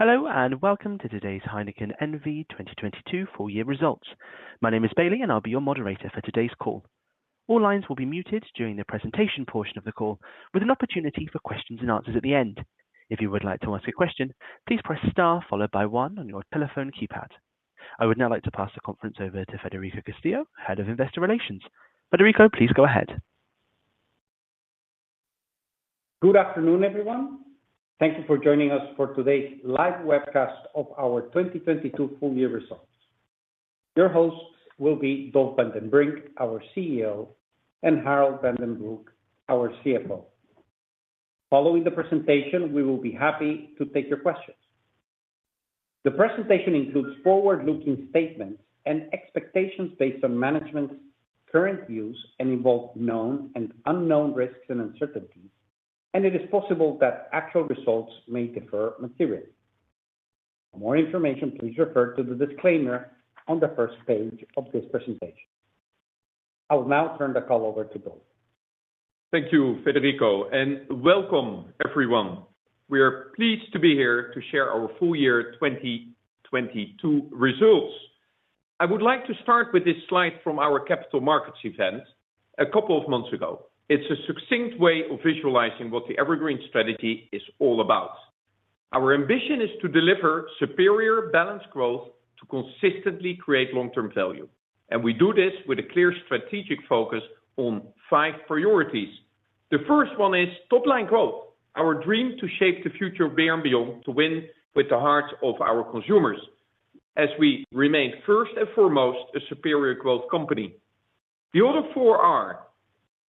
Hello and welcome to today's Heineken N.V. 2022 Full Year Results. My name is Bailey, and I'll be your moderator for today's call. All lines will be muted during the presentation portion of the call, with an opportunity for questions and answers at the end. If you would like to ask a question, please press star followed by one on your telephone keypad. I would now like to pass the conference over to Federico Castillo, Head of Investor Relations. Federico, please go ahead. Good afternoon, everyone. Thank you for joining us for today's live webcast of our 2022 full year results. Your hosts will be Dolf van den Brink, our CEO, and Harold van den Broek, our CFO. Following the presentation, we will be happy to take your questions. The presentation includes forward-looking statements and expectations based on management's current views and involve known and unknown risks and uncertainties, and it is possible that actual results may differ materially. For more information, please refer to the disclaimer on the first page of this presentation. I will now turn the call over to Dolf. Thank you, Federico. Welcome everyone. We are pleased to be here to share our full year 2022 results. I would like to start with this slide from our capital markets event a couple of months ago. It's a succinct way of visualizing what the EverGreen strategy is all about. Our ambition is to deliver superior balanced growth to consistently create long-term value. We do this with a clear strategic focus on five priorities. The first one is top line growth, our dream to shape the future of beer and beyond, to win with the hearts of our consumers as we remain first and foremost a superior growth company. The other four are: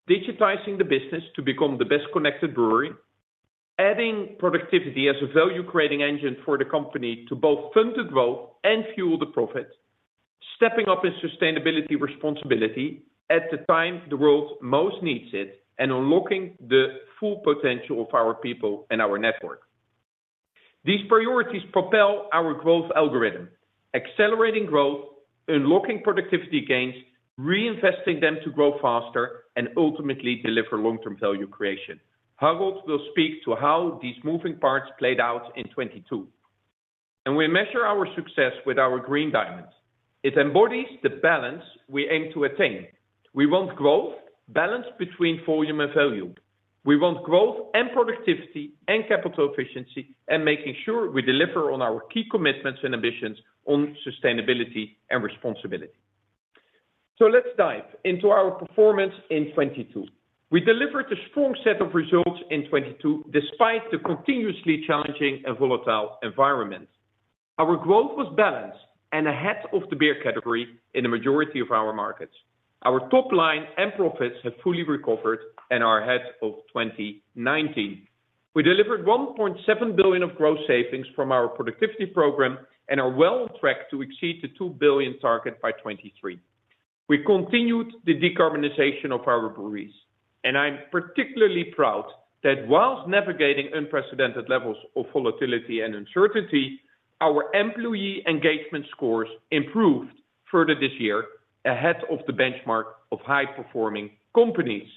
digitizing the business to become the best-connected brewery, adding productivity as a value-creating engine for the company to both fund the growth and fuel the profit, stepping up in sustainability responsibility at the time the world most needs it, and unlocking the full potential of our people and our network. These priorities propel our growth algorithm, accelerating growth, unlocking productivity gains, reinvesting them to grow faster, and ultimately deliver long-term value creation. Harold will speak to how these moving parts played out in 2022. We measure our success with our Green Diamond. It embodies the balance we aim to attain. We want growth balanced between volume and value. We want growth and productivity and capital efficiency and making sure we deliver on our key commitments and ambitions on sustainability and responsibility. Let's dive into our performance in 2022. We delivered a strong set of results in 2022, despite the continuously challenging and volatile environment. Our growth was balanced and ahead of the beer category in the majority of our markets. Our top line and profits have fully recovered and are ahead of 2019. We delivered 1.7 billion of gross savings from our productivity program and are well on track to exceed the 2 billion target by 2023. We continued the decarbonization of our breweries, I'm particularly proud that whilst navigating unprecedented levels of volatility and uncertainty, our employee engagement scores improved further this year ahead of the benchmark of high-performing companies.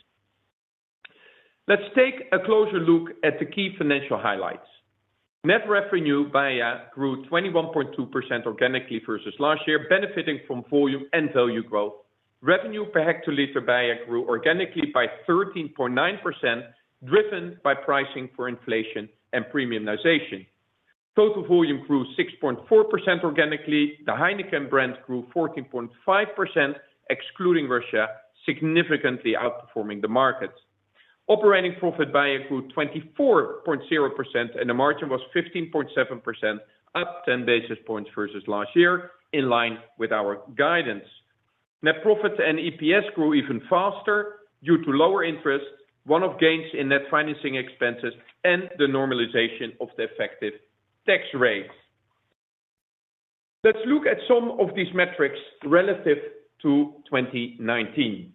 Let's take a closer look at the key financial highlights. Net revenue beia grew 21.2% organically versus last year, benefiting from volume and value growth. Revenue per hectoliter beia grew organically by 13.9%, driven by pricing for inflation and premiumization. Total volume grew 6.4% organically. The Heineken brand grew 14.5%, excluding Russia, significantly outperforming the market. Operating profit beia grew 24.0% and the margin was 15.7%, up 10 basis points versus last year, in line with our guidance. Net profits and EPS grew even faster due to lower interest, one of gains in net financing expenses, and the normalization of the effective tax rates. Let's look at some of these metrics relative to 2019.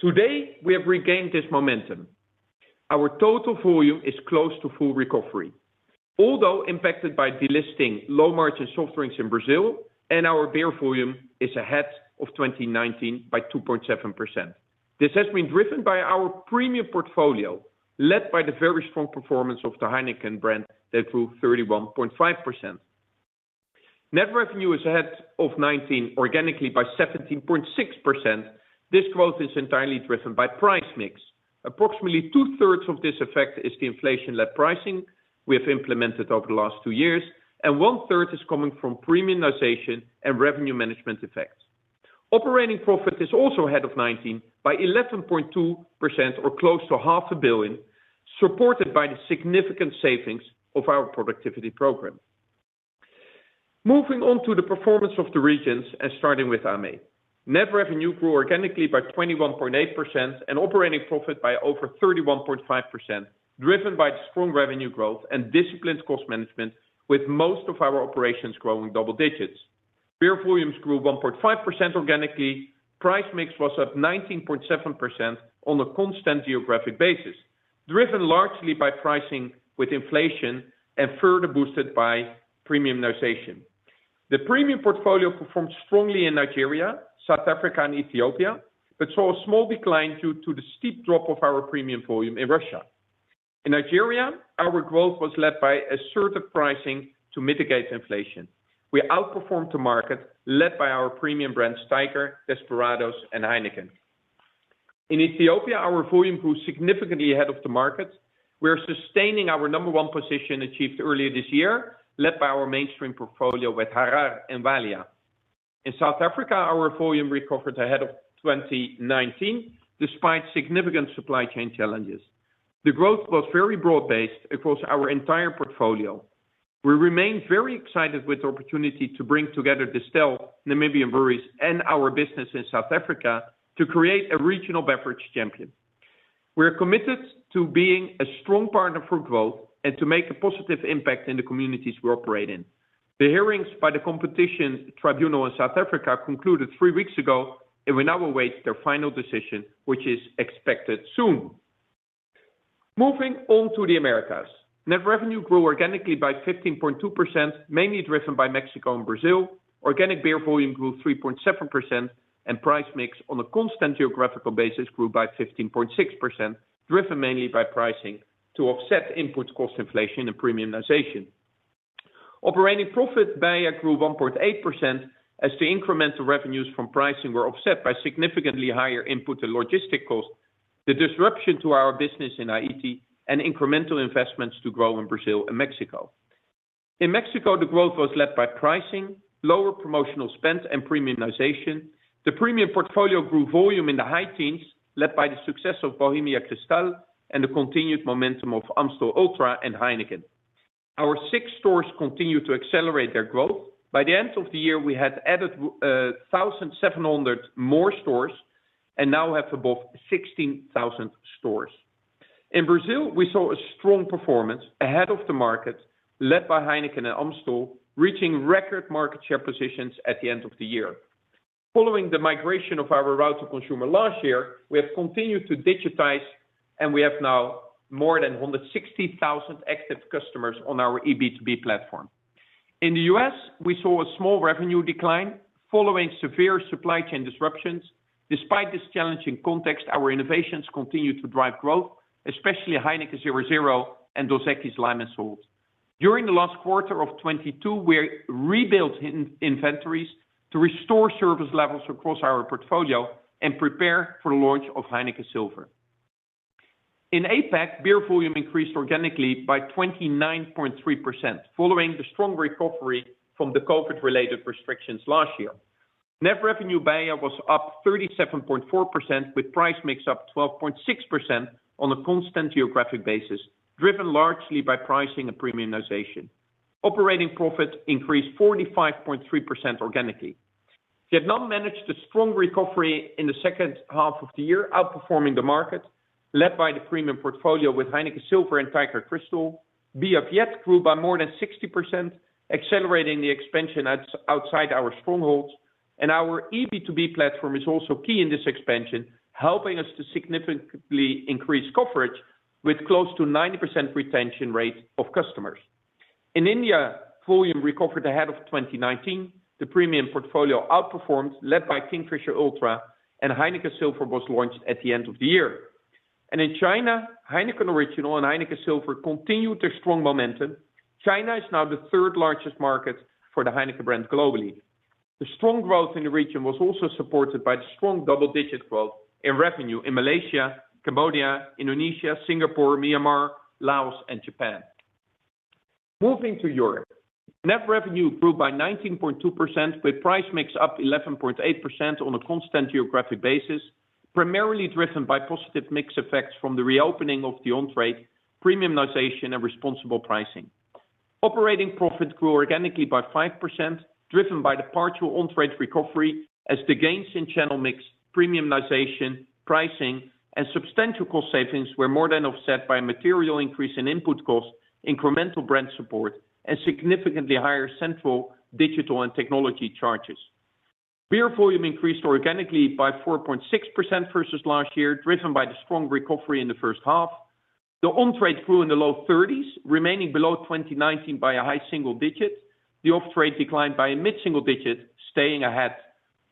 Today, we have regained this momentum. Our total volume is close to full recovery. Although impacted by delisting low-margin soft drinks in Brazil and our beer volume is ahead of 2019 by 2.7%. This has been driven by our premium portfolio, led by the very strong performance of the Heineken brand that grew 31.5%. Net revenue is ahead of 2019 organically by 17.6%. This growth is entirely driven by price mix. Approximately two-thirds of this effect is the inflation-led pricing we have implemented over the last two years, and one-third is coming from premiumization and revenue management effects. Operating profit is also ahead of 2019 by 11.2% or close to EUR half a billion, supported by the significant savings of our productivity program. Moving on to the performance of the regions and starting with AMEE. Net revenue grew organically by 21.8% and operating profit by over 31.5%, driven by the strong revenue growth and disciplined cost management, with most of our operations growing double digits. Beer volumes grew 1.5% organically. Price mix was up 19.7% on a constant geographic basis, driven largely by pricing with inflation and further boosted by premiumization. The premium portfolio performed strongly in Nigeria, South Africa, and Ethiopia, but saw a small decline due to the steep drop of our premium volume in Russia. In Nigeria, our growth was led by assertive pricing to mitigate inflation. We outperformed the market led by our premium brand, Tiger, Desperados, and Heineken. In Ethiopia, our volume grew significantly ahead of the market. We are sustaining our number one position achieved earlier this year, led by our mainstream portfolio with Harar and Walia. In South Africa, our volume recovered ahead of 2019, despite significant supply chain challenges. The growth was very broad-based across our entire portfolio. We remain very excited with the opportunity to bring together Distell, Namibia Breweries, and our business in South Africa to create a regional beverage champion. We're committed to being a strong partner for growth and to make a positive impact in the communities we operate in. The hearings by the Competition Tribunal in South Africa concluded three weeks ago, and we now await their final decision, which is expected soon. Moving on to the Americas. Net revenue grew organically by 15.2%, mainly driven by Mexico and Brazil. Organic beer volume grew 3.7%, and price mix on a constant geographical basis grew by 15.6%, driven mainly by pricing to offset input cost inflation and premiumization. Operating profit, BEIA, grew 1.8% as the incremental revenues from pricing were offset by significantly higher input and logistic costs, the disruption to our business in Haiti, and incremental investments to grow in Brazil and Mexico. In Mexico, the growth was led by pricing, lower promotional spend, and premiumization. The premium portfolio grew volume in the high teens, led by the success of Bohemia Cristal and the continued momentum of Amstel Ultra and Heineken. Our SIX stores continued to accelerate their growth. By the end of the year, we had added 1,700 more stores and now have above 16,000 stores. In Brazil, we saw a strong performance ahead of the market led by Heineken and Amstel, reaching record market share positions at the end of the year. Following the migration of our route to consumer last year, we have continued to digitize, and we have now more than 160,000 active customers on our eB2B platform. In the U.S., we saw a small revenue decline following severe supply chain disruptions. Despite this challenging context, our innovations continued to drive growth, especially Heineken 0.0 and Dos Equis Lime & Salt. During the last quarter of 2022, we rebuilt in-inventories to restore service levels across our portfolio and prepare for the launch of Heineken Silver. In APAC, beer volume increased organically by 29.3% following the strong recovery from the COVID-related restrictions last year. Net revenue beia was up 37.4%, with price mix up 12.6% on a constant geographic basis, driven largely by pricing and premiumization. Operating profit increased 45.3% organically. Vietnam managed a strong recovery in the second half of the year, outperforming the market led by the premium portfolio with Heineken Silver and Tiger Crystal. Bia Viet grew by more than 60%, accelerating the expansion outside our strongholds. Our eB2B platform is also key in this expansion, helping us to significantly increase coverage with close to 90% retention rate of customers. In India, volume recovered ahead of 2019. The premium portfolio outperformed, led by Kingfisher Ultra, and Heineken Silver was launched at the end of the year. In China, Heineken Original and Heineken Silver continued their strong momentum. China is now the 3rd largest market for the Heineken brand globally. The strong growth in the region was also supported by the strong double-digit growth in revenue in Malaysia, Cambodia, Indonesia, Singapore, Myanmar, Laos, and Japan. Moving to Europe. Net revenue grew by 19.2%, with price mix up 11.8% on a constant geographic basis, primarily driven by positive mix effects from the reopening of the on-trade, premiumization, and responsible pricing. Operating profit grew organically by 5%, driven by the partial on-trade recovery as the gains in channel mix, premiumization, pricing, and substantial cost savings were more than offset by a material increase in input costs, incremental brand support, and significantly higher central digital and technology charges. Beer volume increased organically by 4.6% versus last year, driven by the strong recovery in the first half. The on-trade grew in the low 30s, remaining below 2019 by a high single digits. The off-trade declined by a mid-single digits, staying ahead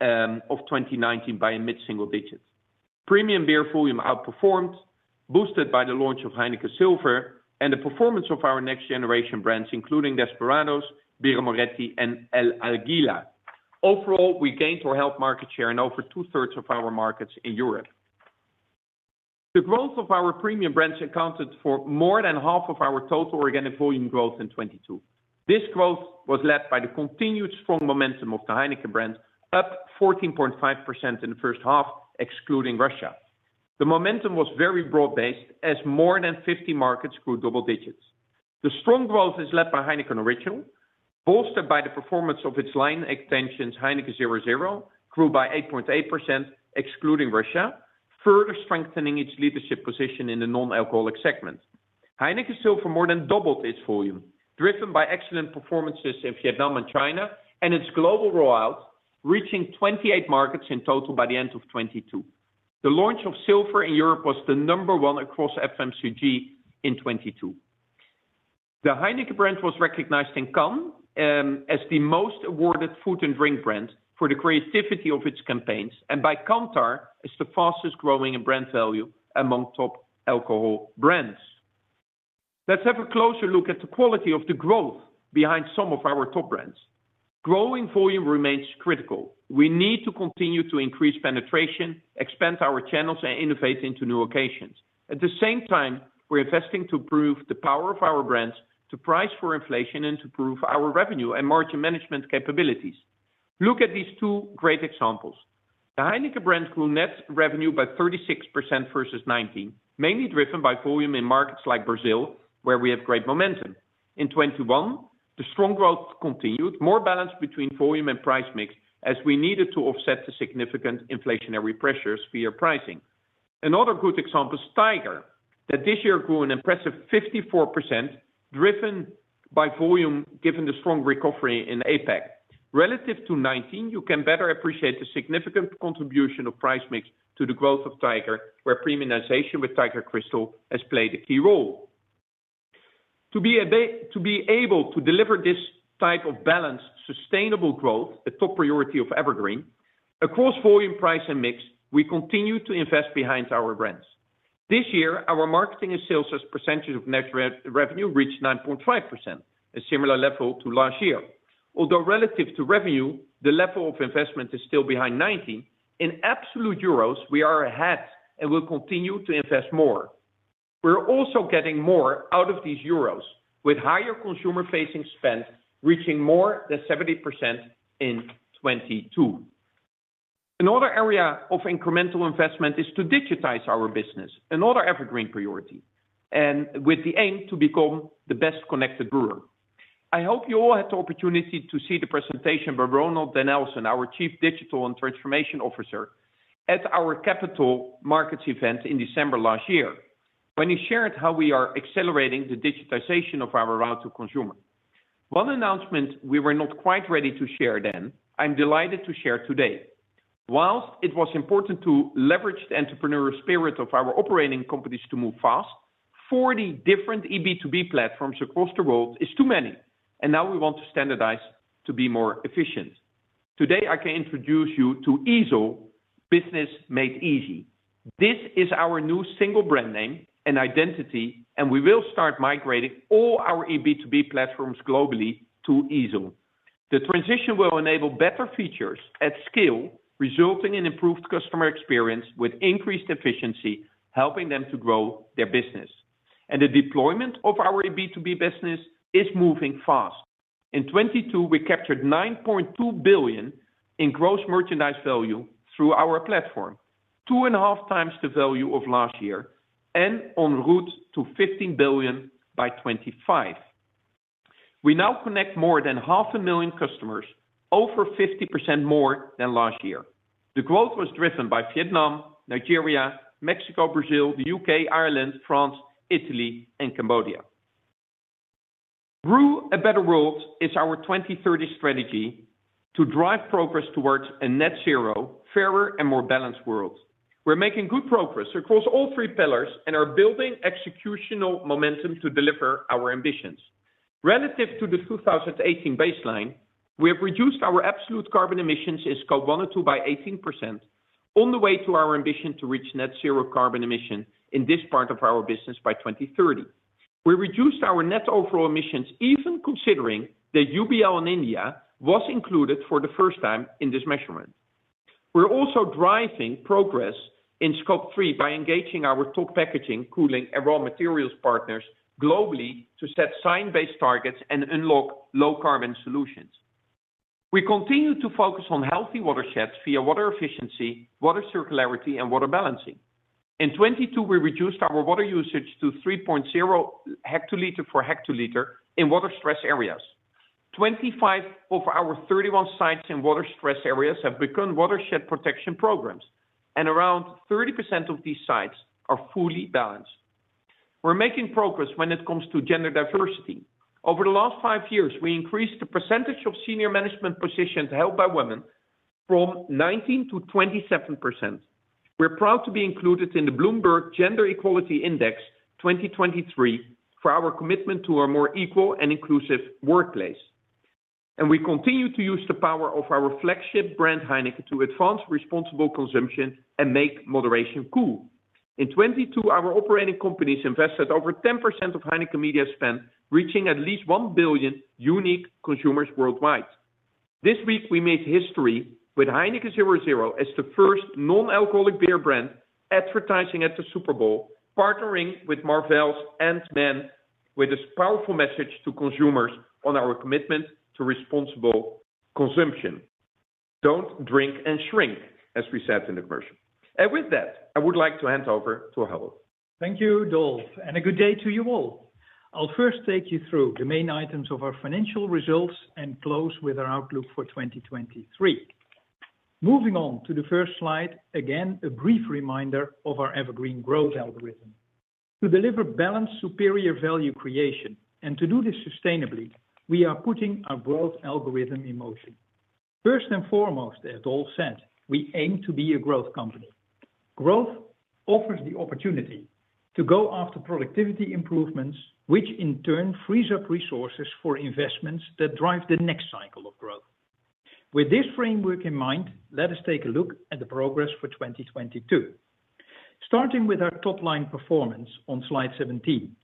of 2019 by a mid-single digits. Premium beer volume outperformed, boosted by the launch of Heineken Silver and the performance of our next-generation brands, including Desperados, Birra Moretti, and El Águila. Overall, we gained or held market share in over two-thirds of our markets in Europe. The growth of our premium brands accounted for more than half of our total organic volume growth in 2022. This growth was led by the continued strong momentum of the Heineken brand, up 14.5% in the first half, excluding Russia. The momentum was very broad-based as more than 50 markets grew double digits. The strong growth is led by Heineken Original, bolstered by the performance of its line extensions. Heineken 0.0 grew by 8.8%, excluding Russia, further strengthening its leadership position in the non-alcoholic segment. Heineken Silver more than doubled its volume, driven by excellent performances in Vietnam and China, and its global rollout, reaching 28 markets in total by the end of 2022. The launch of Silver in Europe was the number one across FMCG in 2022. The Heineken brand was recognized in Cannes as the most awarded food and drink brand for the creativity of its campaigns, and by Kantar as the fastest-growing in brand value among top alcohol brands. Let's have a closer look at the quality of the growth behind some of our top brands. Growing volume remains critical. We need to continue to increase penetration, expand our channels, and innovate into new occasions. At the same time, we're investing to prove the power of our brands to price for inflation and to prove our revenue and margin management capabilities. Look at these two great examples. The Heineken brand grew net revenue by 36% versus 2019, mainly driven by volume in markets like Brazil, where we have great momentum. In 2021, the strong growth continued, more balanced between volume and price mix as we needed to offset the significant inflationary pressures via pricing. Another good example is Tiger, that this year grew an impressive 54%, driven by volume given the strong recovery in APAC. Relative to 2019, you can better appreciate the significant contribution of price mix to the growth of Tiger, where premiumization with Tiger Crystal has played a key role. To be able to deliver this type of balanced, sustainable growth, a top priority of EverGreen, across volume, price, and mix, we continue to invest behind our brands. This year, our marketing and sales as percentage of net re-revenue reached 9.5%, a similar level to last year. Relative to revenue, the level of investment is still behind 2019, in absolute EUR, we are ahead and will continue to invest more. We're also getting more out of these EUR, with higher consumer-facing spend reaching more than 70% in 2022. Another area of incremental investment is to digitize our business, another EverGreen priority, and with the aim to become the best-connected brewer. I hope you all had the opportunity to see the presentation by Ronald den Elzen, our Chief Digital and Transformation Officer, at our capital markets event in December last year when he shared how we are accelerating the digitization of our route to consumer. One announcement we were not quite ready to share then, I'm delighted to share today. Whilst it was important to leverage the entrepreneurial spirit of our operating companies to move fast, 40 different B2B platforms across the world is too many, and now we want to standardize to be more efficient. Today, I can introduce you to EASL, business made easy. This is our new single brand name and identity, and we will start migrating all our B2B platforms globally to EASL. The transition will enable better features at scale, resulting in improved customer experience with increased efficiency, helping them to grow their business. The deployment of our B2B business is moving fast. In 2022, we captured 9.2 billion in gross merchandise value through our platform, 2.5 times the value of last year, and on route to 15 billion by 2025. We now connect more than 500,000 customers, over 50% more than last year. The growth was driven by Vietnam, Nigeria, Mexico, Brazil, the UK, Ireland, France, Italy, and Cambodia. Brew a Better World is our 2030 strategy to drive progress towards a net zero, fairer and more balanced world. We're making good progress across all three pillars and are building executional momentum to deliver our ambitions. Relative to the 2018 baseline, we have reduced our absolute carbon emissions in Scope one and two by 18% on the way to our ambition to reach net zero carbon emission in this part of our business by 2030. We reduced our net overall emissions even considering that UBL in India was included for the first time in this measurement. We're also driving progress in Scope three by engaging our top packaging, cooling, and raw materials partners globally to set science-based targets and unlock low carbon solutions. We continue to focus on healthy watersheds via water efficiency, water circularity, and water balancing. In 2022, we reduced our water usage to 3.0 hectoliter per hectoliter in water-stressed areas. 25 of our 31 sites in water-stressed areas have begun watershed protection programs, and around 30% of these sites are fully balanced. We're making progress when it comes to gender diversity. Over the last five years, we increased the percentage of senior management positions held by women from 19%-27%. We're proud to be included in the Bloomberg Gender-Equality Index 2023 for our commitment to a more equal and inclusive workplace. We continue to use the power of our flagship brand, Heineken, to advance responsible consumption and make moderation cool. In 2022, our operating companies invested over 10% of Heineken media spend, reaching at least 1 billion unique consumers worldwide. This week, we made history with Heineken 0.0 as the first non-alcoholic beer brand advertising at the Super Bowl, partnering with Marvel's Ant-Man with this powerful message to consumers on our commitment to responsible consumption. "Don't drink and shrink," as we said in the commercial. With that, I would like to hand over to Harold. Thank you, Dolf, and a good day to you all. I'll first take you through the main items of our financial results and close with our outlook for 2023. Moving on to the first slide, again, a brief reminder of our EverGreen growth algorithm. To deliver balanced superior value creation and to do this sustainably, we are putting our growth algorithm in motion. First and foremost, as Dolf said, we aim to be a growth company. Growth offers the opportunity to go after productivity improvements, which in turn frees up resources for investments that drive the next cycle of growth. With this framework in mind, let us take a look at the progress for 2022. Starting with our top line performance on slide 17.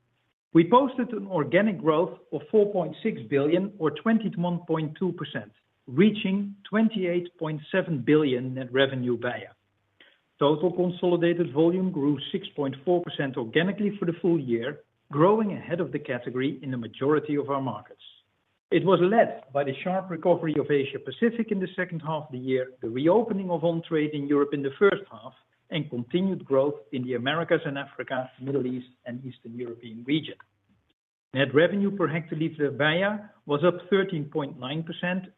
We posted an organic growth of 4.6 billion or 21.2%, reaching 28.7 billion net revenue beia. Total consolidated volume grew 6.4% organically for the full year, growing ahead of the category in the majority of our markets. It was led by the sharp recovery of Asia Pacific in the second half of the year, the reopening of on-trade in Europe in the first half, and continued growth in the Americas and Africa, Middle East and Eastern European region. Net revenue per hectolitre beia was up 13.9%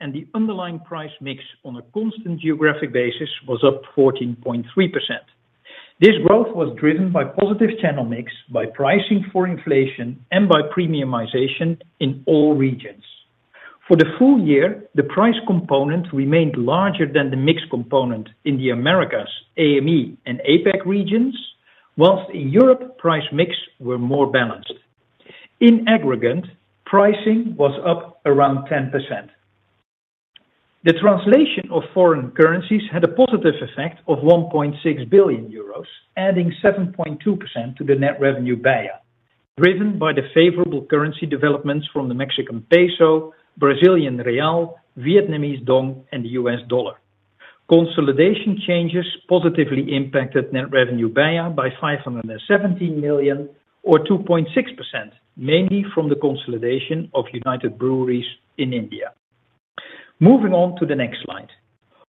and the underlying price mix on a constant geographic basis was up 14.3%. This growth was driven by positive channel mix, by pricing for inflation, and by premiumisation in all regions. For the full year, the price component remained larger than the mix component in the Americas, AME and APAC regions, whilst in Europe, price mix were more balanced. In aggregate, pricing was up around 10%. The translation of foreign currencies had a positive effect of 1.6 billion euros, adding 7.2% to the net revenue beia, driven by the favorable currency developments from the Mexican peso, Brazilian real, Vietnamese đồng, and the US dollar. Consolidation changes positively impacted net revenue beia by 517 million or 2.6%, mainly from the consolidation of United Breweries in India. Moving on to the next slide.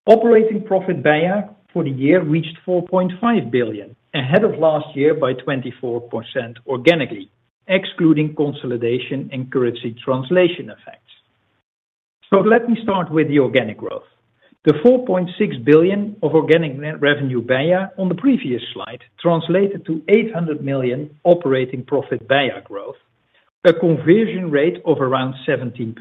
Operating profit beia for the year reached 4.5 billion, ahead of last year by 24% organically, excluding consolidation and currency translation effects. Let me start with the organic growth. The 4.6 billion of organic net revenue beia on the previous slide translated to 800 million operating profit beia growth, a conversion rate of around 17%.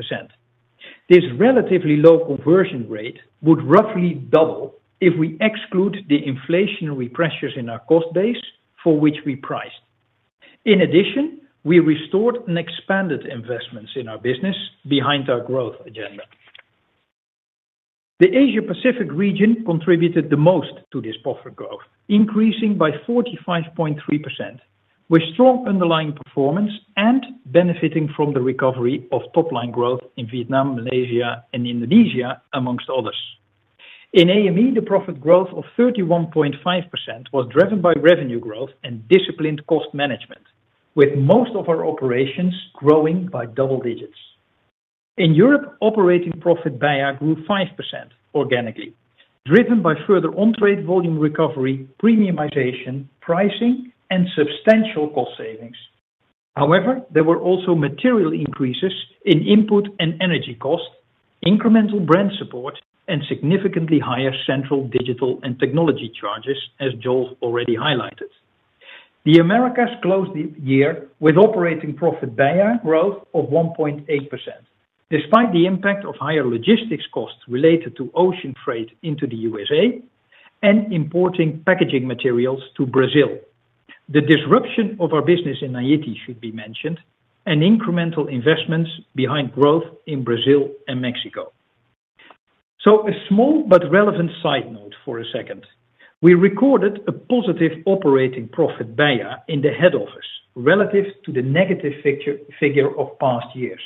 This relatively low conversion rate would roughly double if we exclude the inflationary pressures in our cost base for which we priced. We restored and expanded investments in our business behind our growth agenda. The Asia Pacific region contributed the most to this profit growth, increasing by 45.3%, with strong underlying performance and benefiting from the recovery of top line growth in Vietnam, Malaysia and Indonesia, amongst others. In AME, the profit growth of 31.5% was driven by revenue growth and disciplined cost management, with most of our operations growing by double digits. In Europe, operating profit BEIA grew 5% organically, driven by further on-trade volume recovery, premiumization, pricing, and substantial cost savings. There were also material increases in input and energy costs, incremental brand support and significantly higher central digital and technology charges, as Dolf already highlighted. The Americas closed the year with operating profit beia growth of 1.8%. Despite the impact of higher logistics costs related to ocean trade into the USA and importing packaging materials to Brazil, the disruption of our business in Haití should be mentioned, and incremental investments behind growth in Brazil and Mexico. A small but relevant side note for a second. We recorded a positive operating profit beia in the head office relative to the negative figure of past years.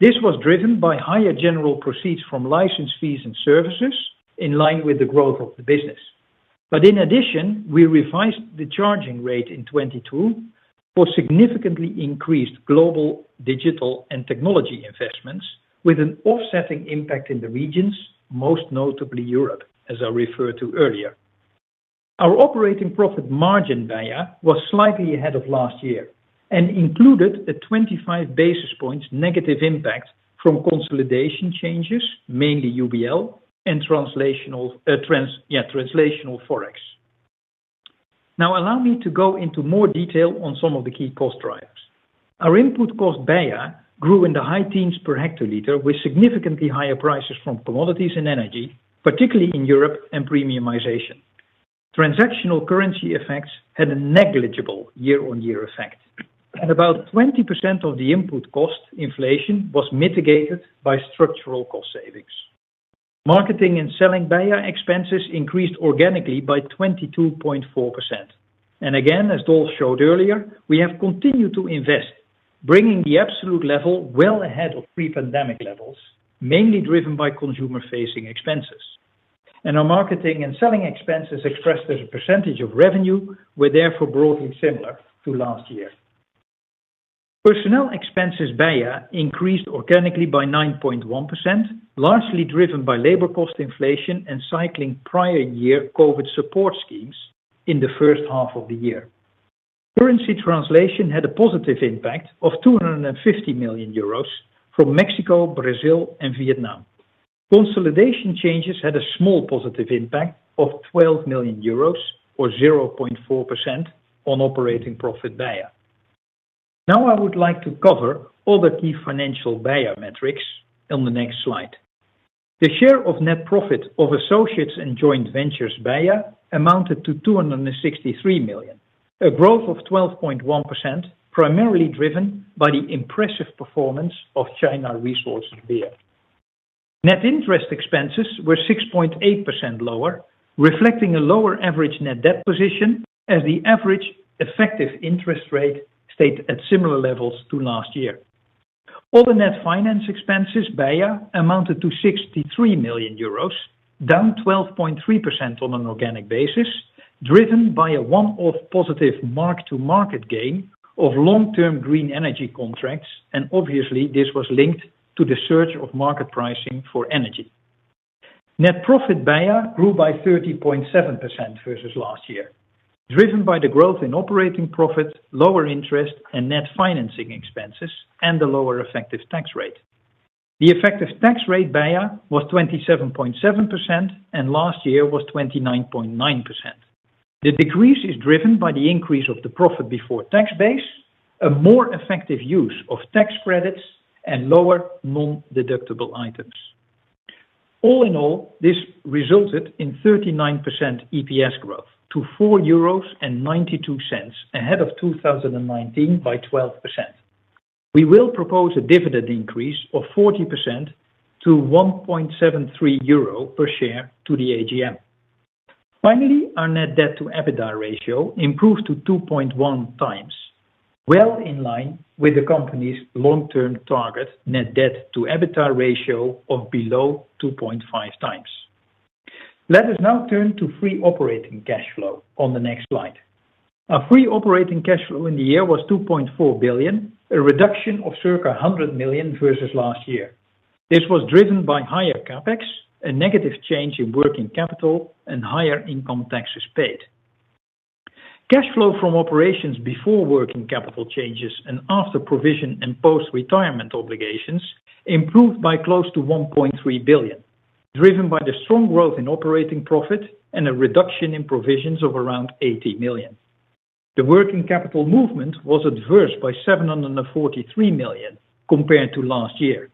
This was driven by higher general proceeds from license fees and services in line with the growth of the business. In addition, we revised the charging rate in 2022 for significantly increased global digital and technology investments with an offsetting impact in the regions, most notably Europe, as I referred to earlier. Our operating profit margin beia was slightly ahead of last year and included a 25 basis points negative impact from consolidation changes, mainly UBL and translational Forex. Now allow me to go into more detail on some of the key cost drivers. Our input cost beia grew in the high teens per hectoliter, with significantly higher prices from commodities and energy, particularly in Europe and premiumization. Transactional currency effects had a negligible year-over-year effect, and about 20% of the input cost inflation was mitigated by structural cost savings. Marketing and selling beia expenses increased organically by 22.4%. Again, as Dolf showed earlier, we have continued to invest, bringing the absolute level well ahead of pre-pandemic levels, mainly driven by consumer facing expenses. Our marketing and selling expenses expressed as a percentage of revenue were therefore broadly similar to last year. Personnel expenses, beia, increased organically by 9.1%, largely driven by labor cost inflation and cycling prior year COVID support schemes in the first half of the year. Currency translation had a positive impact of 250 million euros from Mexico, Brazil and Vietnam. Consolidation changes had a small positive impact of 12 million euros or 0.4% on operating profit beia. Now I would like to cover all the key financial metrics on the next slide. The share of net profit of associates and joint ventures amounted to 263 million, a growth of 12.1%, primarily driven by the impressive performance of China Resources Beer. Net interest expenses were 6.8% lower, reflecting a lower average net debt position as the average effective interest rate stayed at similar levels to last year. All the net finance expenses Bayer amounted to 63 million euros, down 12.3% on an organic basis, driven by a one-off positive mark-to-market gain of long-term green energy contracts, and obviously this was linked to the surge of market pricing for energy. Net profit Bayer grew by 30.7% versus last year, driven by the growth in operating profit, lower interest and net financing expenses, and the lower effective tax rate. The effective tax rate Bayer was 27.7% and last year was 29.9%. The decrease is driven by the increase of the profit before tax base, a more effective use of tax credits and lower non-deductible items. All in all, this resulted in 39% EPS growth to 4.92 euros ahead of 2019 by 12%. We will propose a dividend increase of 40% to 1.73 euro per share to the AGM. Finally, our net debt to EBITDA ratio improved to 2.1 times, well in line with the company's long-term target net debt to EBITDA ratio of below 2.5 times. Let us now turn to free operating cash flow on the next slide. Our free operating cash flow in the year was 2.4 billion, a reduction of circa 100 million versus last year. This was driven by higher CapEx, a negative change in working capital, and higher income taxes paid. Cash flow from operations before working capital changes and after provision and post-retirement obligations improved by close to 1.3 billion, driven by the strong growth in operating profit and a reduction in provisions of around 80 million. The working capital movement was adverse by 743 million compared to last year,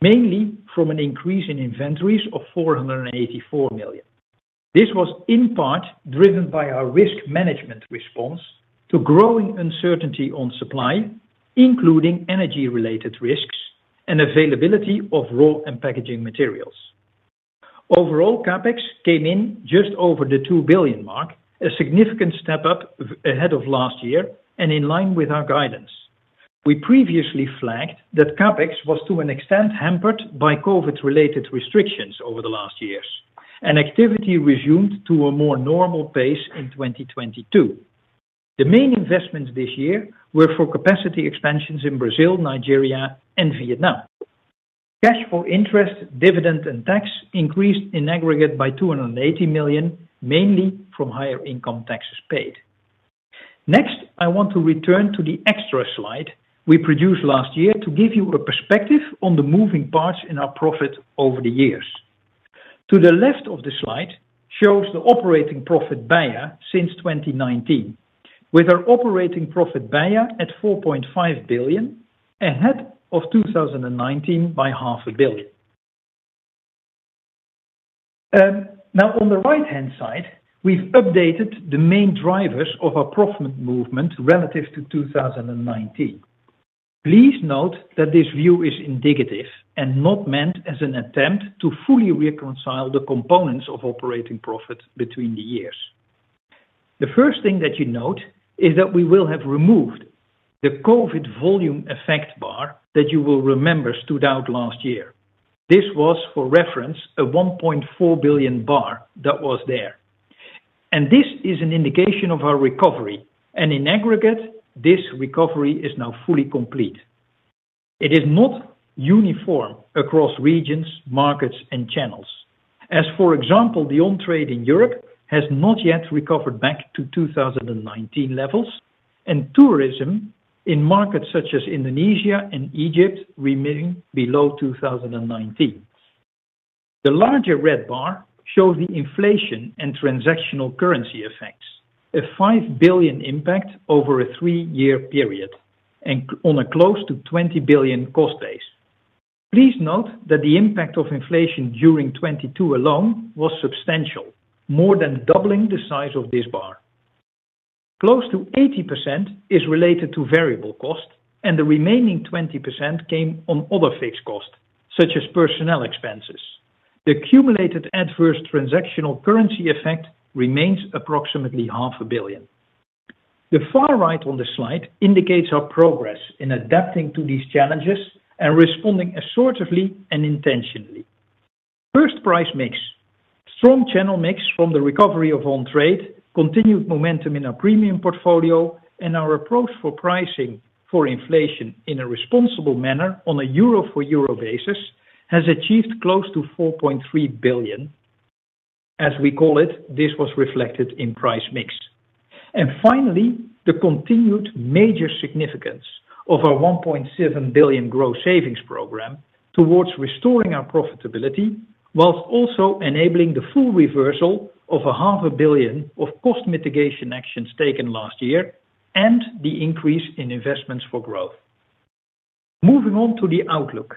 mainly from an increase in inventories of 484 million. This was in part driven by our risk management response to growing uncertainty on supply, including energy-related risks and availability of raw and packaging materials. Overall, CapEx came in just over the 2 billion mark, a significant step up ahead of last year and in line with our guidance. We previously flagged that CapEx was to an extent hampered by COVID-related restrictions over the last years, and activity resumed to a more normal pace in 2022. The main investments this year were for capacity expansions in Brazil, Nigeria, and Vietnam. Cash flow interest, dividend, and tax increased in aggregate by 280 million, mainly from higher income taxes paid. I want to return to the extra slide we produced last year to give you a perspective on the moving parts in our profit over the years. The left of the slide shows the operating profit beia since 2019, with our operating profit beia at 4.5 billion, ahead of 2019 by half a billion. On the right-hand side, we've updated the main drivers of our profit movement relative to 2019. Please note that this view is indicative and not meant as an attempt to fully reconcile the components of operating profit between the years. The first thing that you note is that we will have removed the COVID volume effect bar that you will remember stood out last year. This was, for reference, a 1.4 billion bar that was there. This is an indication of our recovery, and in aggregate, this recovery is now fully complete. It is not uniform across regions, markets, and channels. For example, the on trade in Europe has not yet recovered back to 2019 levels, and tourism in markets such as Indonesia and Egypt remaining below 2019. The larger red bar shows the inflation and transactional currency effects, a 5 billion impact over a three year period on a close to 20 billion cost base. Please note that the impact of inflation during 2022 alone was substantial, more than doubling the size of this bar. Close to 80% is related to variable cost, and the remaining 20% came on other fixed costs, such as personnel expenses. The accumulated adverse transactional currency effect remains approximately EUR half a billion. The far right on the slide indicates our progress in adapting to these challenges and responding assertively and intentionally. First, price mix. Strong channel mix from the recovery of on trade, continued momentum in our premium portfolio, and our approach for pricing for inflation in a responsible manner on a euro-for-euro basis has achieved close to 4.3 billion. As we call it, this was reflected in price mix. Finally, the continued major significance of our 1.7 billion growth savings program towards restoring our profitability, while also enabling the full reversal of EUR half a billion of cost mitigation actions taken last year and the increase in investments for growth. Moving on to the outlook.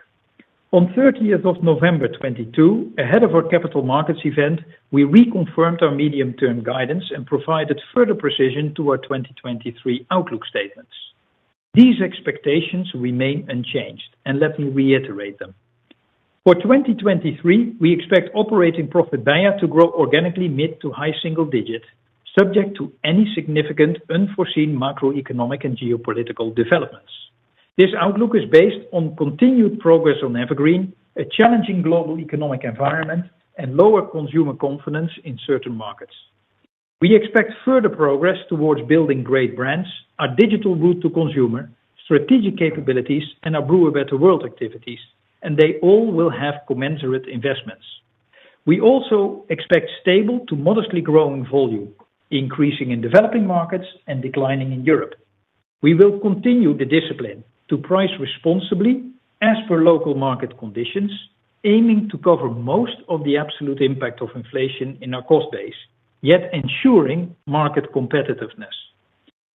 On 30th of November 2022, ahead of our capital markets event, we reconfirmed our medium-term guidance and provided further precision to our 2023 outlook statements. These expectations remain unchanged, and let me reiterate them. For 2023, we expect operating profit, beia, to grow organically mid-to-high single digits, subject to any significant unforeseen macroeconomic and geopolitical developments. This outlook is based on continued progress on EverGreen, a challenging global economic environment, and lower consumer confidence in certain markets. We expect further progress towards building great brands, our digital route to consumer, strategic capabilities, and our Brew a Better World activities. They all will have commensurate investments. We also expect stable to modestly growing volume, increasing in developing markets and declining in Europe. We will continue the discipline to price responsibly as per local market conditions, aiming to cover most of the absolute impact of inflation in our cost base, yet ensuring market competitiveness.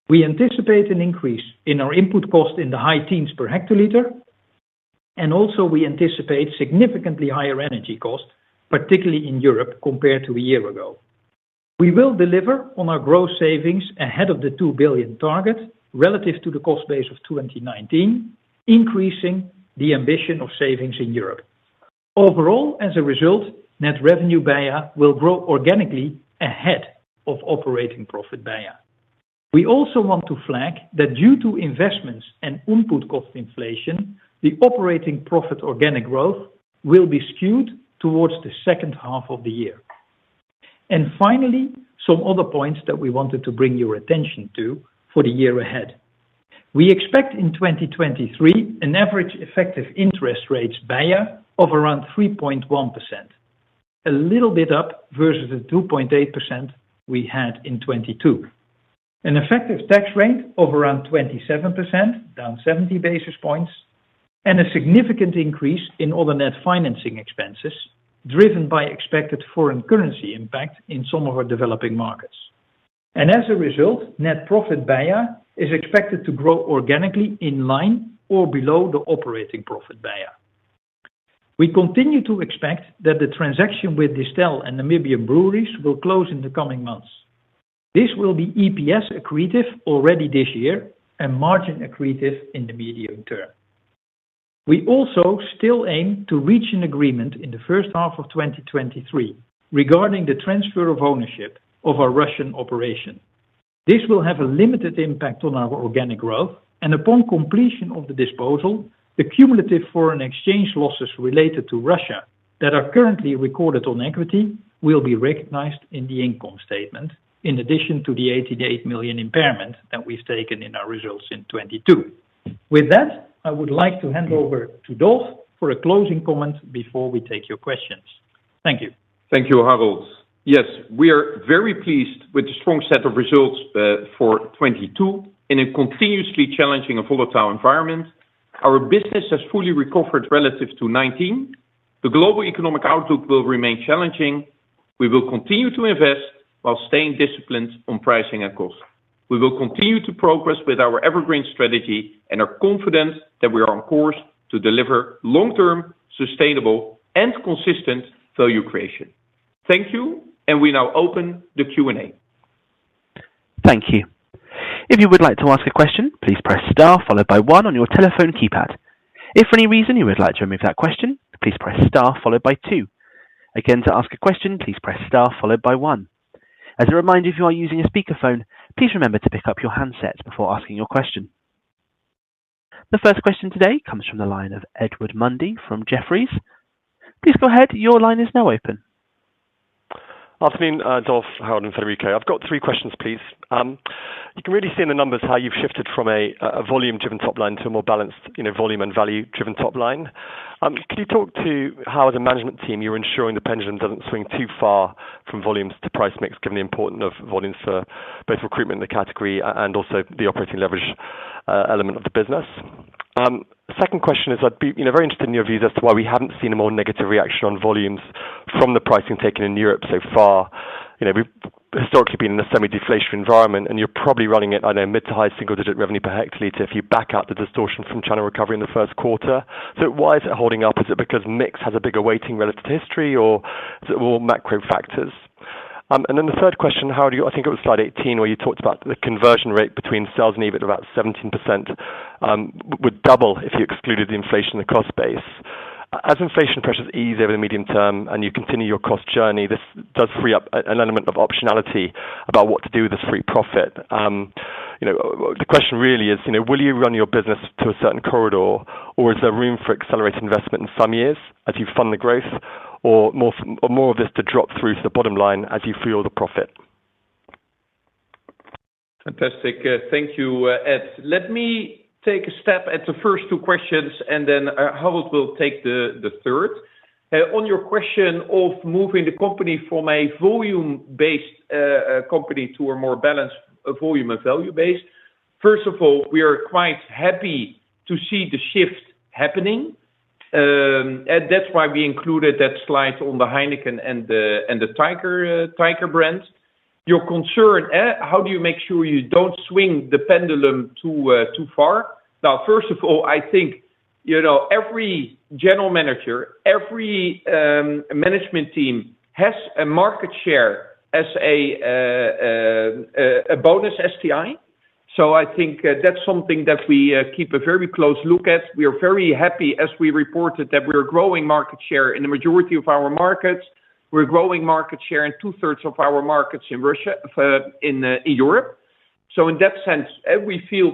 We anticipate an increase in our input cost in the high teens per hectoliter, and also we anticipate significantly higher energy costs, particularly in Europe, compared to a year ago. We will deliver on our growth savings ahead of the two billion target relative to the cost base of 2019, increasing the ambition of savings in Europe. Overall, as a result, net revenue BEIA will grow organically ahead of operating profit, BEIA. We also want to flag that due to investments and input cost inflation, the operating profit organic growth will be skewed towards the second half of the year. Finally, some other points that we wanted to bring your attention to for the year ahead. We expect in 2023 an average effective interest rates, beia, of around 3.1%, a little bit up versus the 2.8% we had in 2022. An effective tax rate of around 27%, down 70 basis points. A significant increase in all the net financing expenses driven by expected foreign currency impact in some of our developing markets. As a result, net profit, beia, is expected to grow organically in line or below the operating profit, beia. We continue to expect that the transaction with Distell and Namibia Breweries will close in the coming months. This will be EPS accretive already this year and margin accretive in the medium term. We also still aim to reach an agreement in the first half of 2023 regarding the transfer of ownership of our Russian operation. This will have a limited impact on our organic growth, and upon completion of the disposal, the cumulative foreign exchange losses related to Russia that are currently recorded on equity will be recognized in the income statement in addition to the 88 million impairment that we've taken in our results in 2022. With that, I would like to hand over to Dolf for a closing comment before we take your questions. Thank you. Thank you, Harold. Yes, we are very pleased with the strong set of results for 2022 in a continuously challenging and volatile environment. Our business has fully recovered relative to 2019. The global economic outlook will remain challenging. We will continue to invest while staying disciplined on pricing and cost. We will continue to progress with our EverGreen strategy and are confident that we are on course to deliver long-term, sustainable, and consistent value creation. Thank you. We now open the Q&A. Thank you. If you would like to ask a question, please press star followed by one on your telephone keypad. If for any reason you would like to remove that question, please press star followed by two. Again, to ask a question, please press star followed by one. As a reminder, if you are using a speakerphone, please remember to pick up your handset before asking your question. The first question today comes from the line of Edward Mundy from Jefferies. Please go ahead. Your line is now open. Afternoon, Dolf, Harold, and Federico. I've got three questions, please. You can really see in the numbers how you've shifted from a volume-driven top line to a more balanced, you know, volume and value-driven top line. Can you talk to how as a management team, you're ensuring the pendulum doesn't swing too far from volumes to price mix, given the importance of volumes for both recruitment in the category and also the operating leverage, element of the business? Second question is I'd be, you know, very interested in your views as to why we haven't seen a more negative reaction on volumes from the pricing taken in Europe so far. You know, we've historically been in a semi-deflation environment, you're probably running at, I know, mid to high single-digit revenue per hectoliter if you back out the distortion from China recovery in the first quarter. Why is it holding up? Is it because mix has a bigger weighting relative to history or is it all macro factors? The third question, Harald, I think it was slide 18, where you talked about the conversion rate between sales and EBIT, about 17%, would double if you excluded the inflation in the cost base. As inflation pressures ease over the medium term and you continue your cost journey, this does free up an element of optionality about what to do with this free profit. You know, the question really is, you know, will you run your business to a certain corridor, or is there room for accelerated investment in some years as you fund the growth or more of this to drop through to the bottom line as you fuel the profit? Fantastic. Thank you, Ed. Let me take a step at the first two questions. Harold will take the third. On your question of moving the company from a volume-based company to a more balanced volume and value base. First of all, we are quite happy to see the shift happening. That's why we included that slide on the Heineken and the Tiger brands. Your concern, how do you make sure you don't swing the pendulum too far? First of all, I think, you know, every general manager, every management team has a market share as a bonus STI. I think that's something that we keep a very close look at. We are very happy as we reported that we are growing market share in the majority of our markets. We're growing market share in 2/3 of our markets in Europe. In that sense, we feel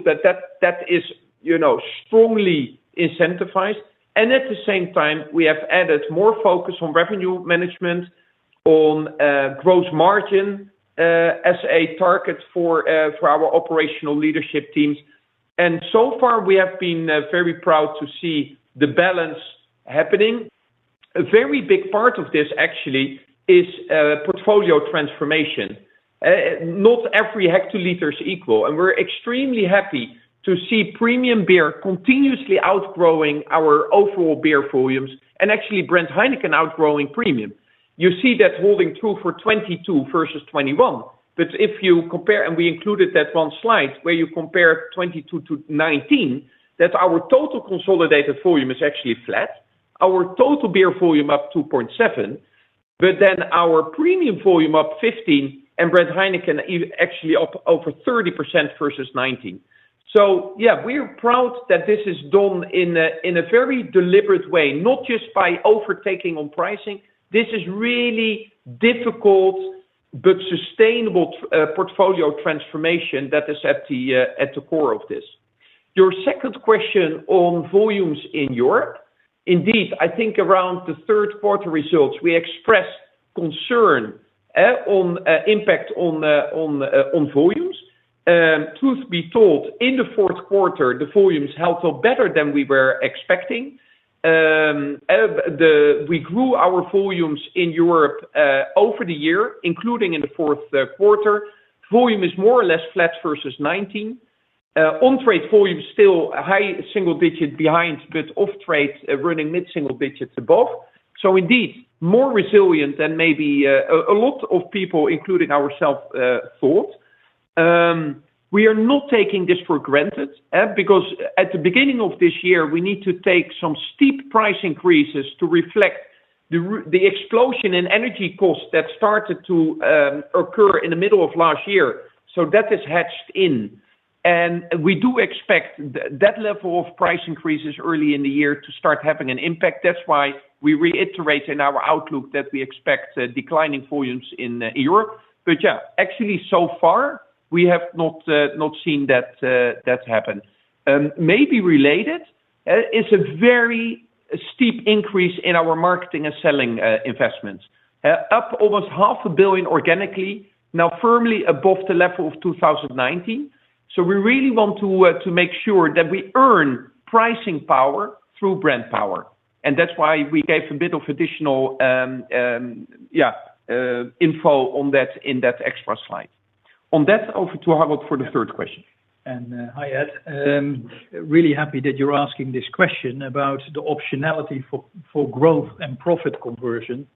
that is, you know, strongly incentivized. At the same time, we have added more focus on revenue management on gross margin as a target for our operational leadership teams. So far, we have been very proud to see the balance happening. A very big part of this actually is portfolio transformation. Not every hectoliters equal, and we're extremely happy to see premium beer continuously outgrowing our overall beer volumes and actually brand Heineken outgrowing premium. You see that holding true for 2022 versus 2021. If you compare... We included that one slide where you compare 22-19, that our total consolidated volume is actually flat. Our total beer volume up 2.7, but then our premium volume up 15, and brand Heineken actually up over 30% versus 19. Yeah, we are proud that this is done in a very deliberate way, not just by overtaking on pricing. This is really difficult but sustainable portfolio transformation that is at the core of this. Your second question on volumes in Europe. Indeed, I think around the third quarter results, we expressed concern on impact on volumes. Truth be told, in the fourth quarter, the volumes held up better than we were expecting. the... We grew our volumes in Europe over the year, including in the fourth quarter. Volume is more or less flat versus 2019. On-trade volume, still a high single-digit behind, but off trades running mid-single-digits above. Indeed, more resilient than maybe a lot of people, including ourself, thought. We are not taking this for granted because at the beginning of this year, we need to take some steep price increases to reflect the explosion in energy costs that started to occur in the middle of last year. That is hedged in. We do expect that level of price increases early in the year to start having an impact. That's why we reiterate in our outlook that we expect declining volumes in Europe. Yeah, actually so far we have not not seen that that happen. Maybe related is a very steep increase in our marketing and selling investments. Up almost EUR half a billion organically, now firmly above the level of 2019. We really want to make sure that we earn pricing power through brand power. That's why we gave a bit of additional yeah, info on that in that extra slide. On that, over to Harold for the third question. Hi, Ed. Really happy that you're asking this question about the optionality for growth and profit conversion,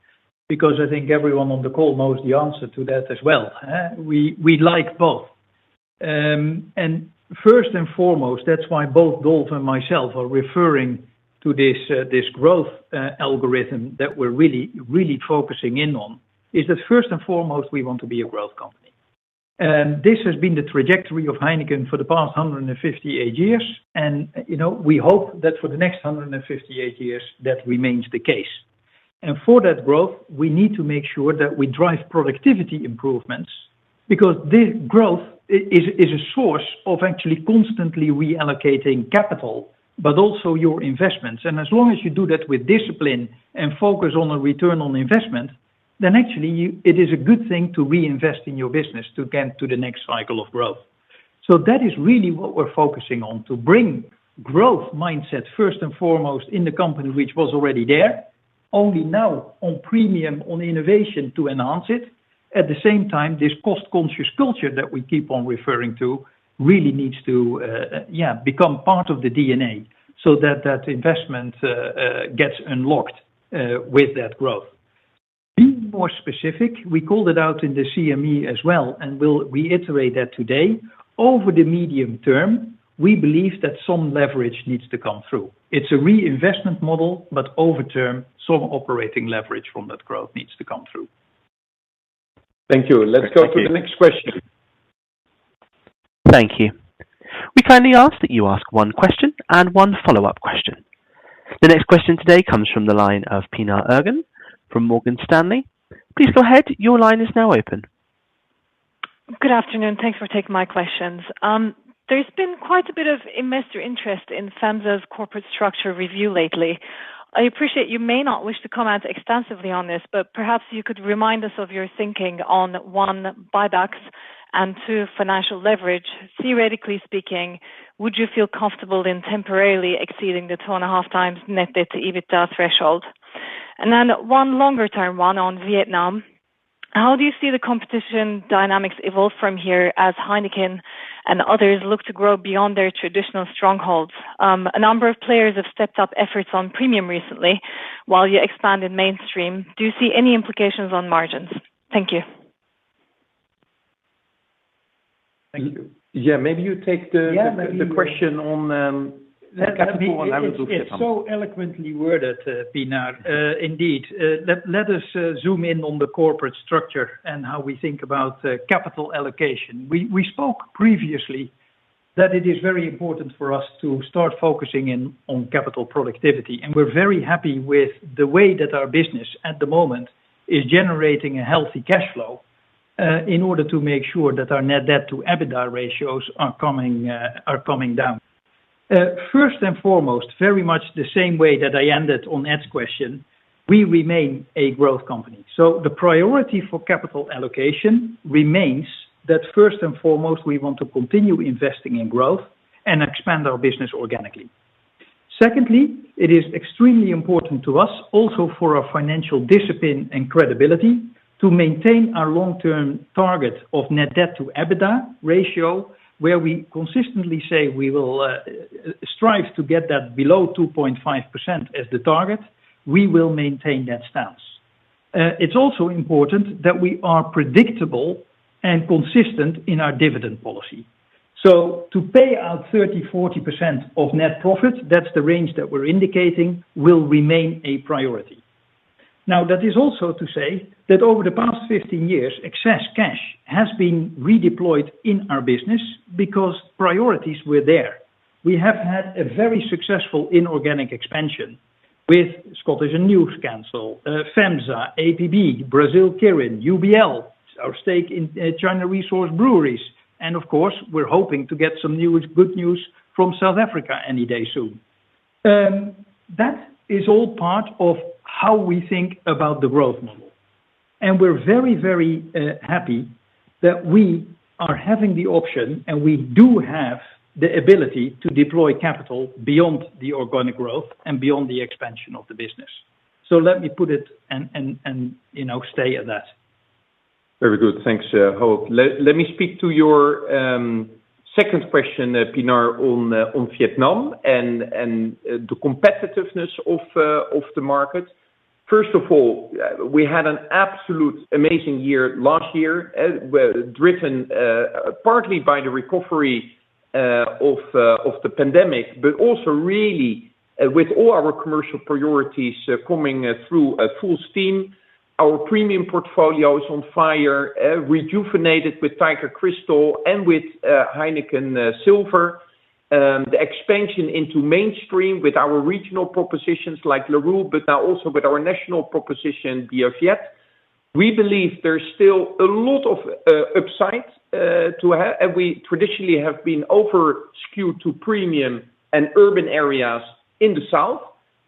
because I think everyone on the call knows the answer to that as well. We like both. First and foremost, that's why both Dolf and myself are referring to this growth algorithm that we're really, really focusing in on, is that first and foremost, we want to be a growth company. This has been the trajectory of Heineken for the past 158 years, and, you know, we hope that for the next 158 years, that remains the case. For that growth, we need to make sure that we drive productivity improvements because this growth is a source of actually constantly reallocating capital, but also your investments. As long as you do that with discipline and focus on a return on investment, then actually you, it is a good thing to reinvest in your business to get to the next cycle of growth. That is really what we're focusing on, to bring growth mindset first and foremost in the company, which was already there. Only now on premium on innovation to enhance it. At the same time, this cost-conscious culture that we keep on referring to really needs to, yeah, become part of the DNA so that that investment gets unlocked with that growth. Being more specific, we called it out in the CME as well, and we'll reiterate that today. Over the medium term, we believe that some leverage needs to come through. It's a reinvestment model, but over term, some operating leverage from that growth needs to come through. Thank you. Thank you. Let's go for the next question. Thank you. We kindly ask that you ask one question and one follow-up question. The next question today comes from the line of Pinar Ergun from Morgan Stanley. Please go ahead. Your line is now open. Good afternoon. Thanks for taking my questions. There's been quite a bit of investor interest in Sanza's corporate structure review lately. I appreciate you may not wish to comment extensively on this, but perhaps you could remind us of your thinking on, one, buybacks and two, financial leverage. Theoretically speaking, would you feel comfortable in temporarily exceeding the two and a half times net debt to EBITDA threshold? One longer term, one on Vietnam. How do you see the competition dynamics evolve from here as Heineken and others look to grow beyond their traditional strongholds? A number of players have stepped up efforts on premium recently while you expand in mainstream. Do you see any implications on margins? Thank you. Thank you. Yeah. Maybe you take. Yeah, maybe. The question on capital and I will do Vietnam. It's so eloquently worded, Pinar. Indeed. Let us zoom in on the corporate structure and how we think about capital allocation. We spoke previously that it is very important for us to start focusing in on capital productivity. We're very happy with the way that our business at the moment is generating a healthy cash flow in order to make sure that our net debt to EBITDA ratios are coming down. First and foremost, very much the same way that I ended on Ed's question, we remain a growth company. The priority for capital allocation remains that first and foremost, we want to continue investing in growth and expand our business organically. Secondly, it is extremely important to us, also for our financial discipline and credibility, to maintain our long-term target of net debt to EBITDA ratio, where we consistently say we will strive to get that below 2.5% as the target, we will maintain that stance. It's also important that we are predictable and consistent in our dividend policy. To pay out 30%-40% of net profits, that's the range that we're indicating, will remain a priority. That is also to say that over the past 15 years, excess cash has been redeployed in our business because priorities were there. We have had a very successful inorganic expansion with Scottish & Newcastle, FEMSA, BBAG, Brasil Kirin, UBL, our stake in China Resources Beer. Of course, we're hoping to get some news, good news from South Africa any day soon. That is all part of how we think about the growth model. We're very happy that we are having the option, and we do have the ability to deploy capital beyond the organic growth and beyond the expansion of the business. Let me put it and, you know, stay at that. Very good. Thanks, Ho. Let me speak to your second question, Pinar, on Vietnam and the competitiveness of the market. First of all, we had an absolute amazing year last year, where driven partly by the recovery of the pandemic, also really with all our commercial priorities coming through full steam. Our premium portfolio is on fire, rejuvenated with Tiger Crystal and with Heineken Silver. The expansion into mainstream with our regional propositions like Larue, but now also with our national proposition, Bia Viet. We believe there's still a lot of upsides to have, and we traditionally have been over-skewed to premium and urban areas in the south.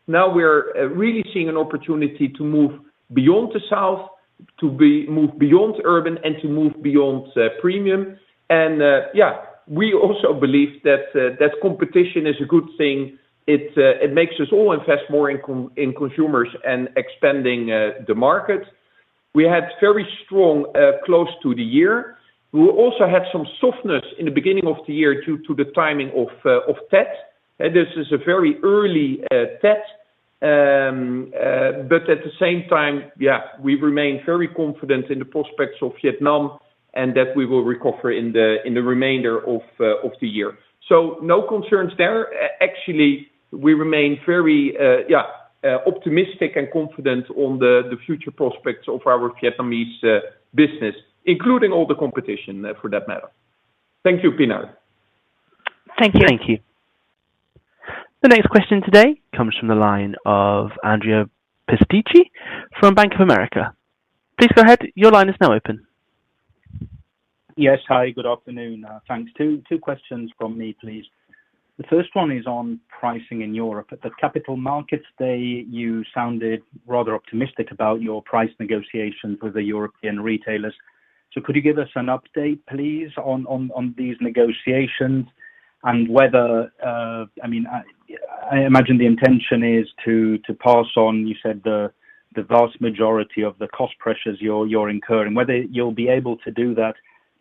Now we're really seeing an opportunity to move beyond the south, to be move beyond urban, and to move beyond premium. Yeah, we also believe that competition is a good thing. It, it makes us all invest more in consumers and expanding the market. We had very strong close to the year. We also had some softness in the beginning of the year due to the timing of Tet. This is a very early Tet. but at the same time, yeah, we remain very confident in the prospects of Vietnam and that we will recover in the, in the remainder of the year. No concerns there. Actually, we remain very, yeah, optimistic and confident on the future prospects of our Vietnamese business, including all the competition for that matter. Thank you, Pinar. Thank you. Thank you. The next question today comes from the line of Andrea Pistacchi from Bank of America. Please go ahead. Your line is now open. Yes. Hi, good afternoon. Thanks. Two questions from me, please. The first one is on pricing in Europe. At the capital markets today you sounded rather optimistic about your price negotiations with the European retailers. Could you give us an update, please, on these negotiations and whether, I mean, I imagine the intention is to pass on, you said the vast majority of the cost pressures you're incurring, whether you'll be able to do that,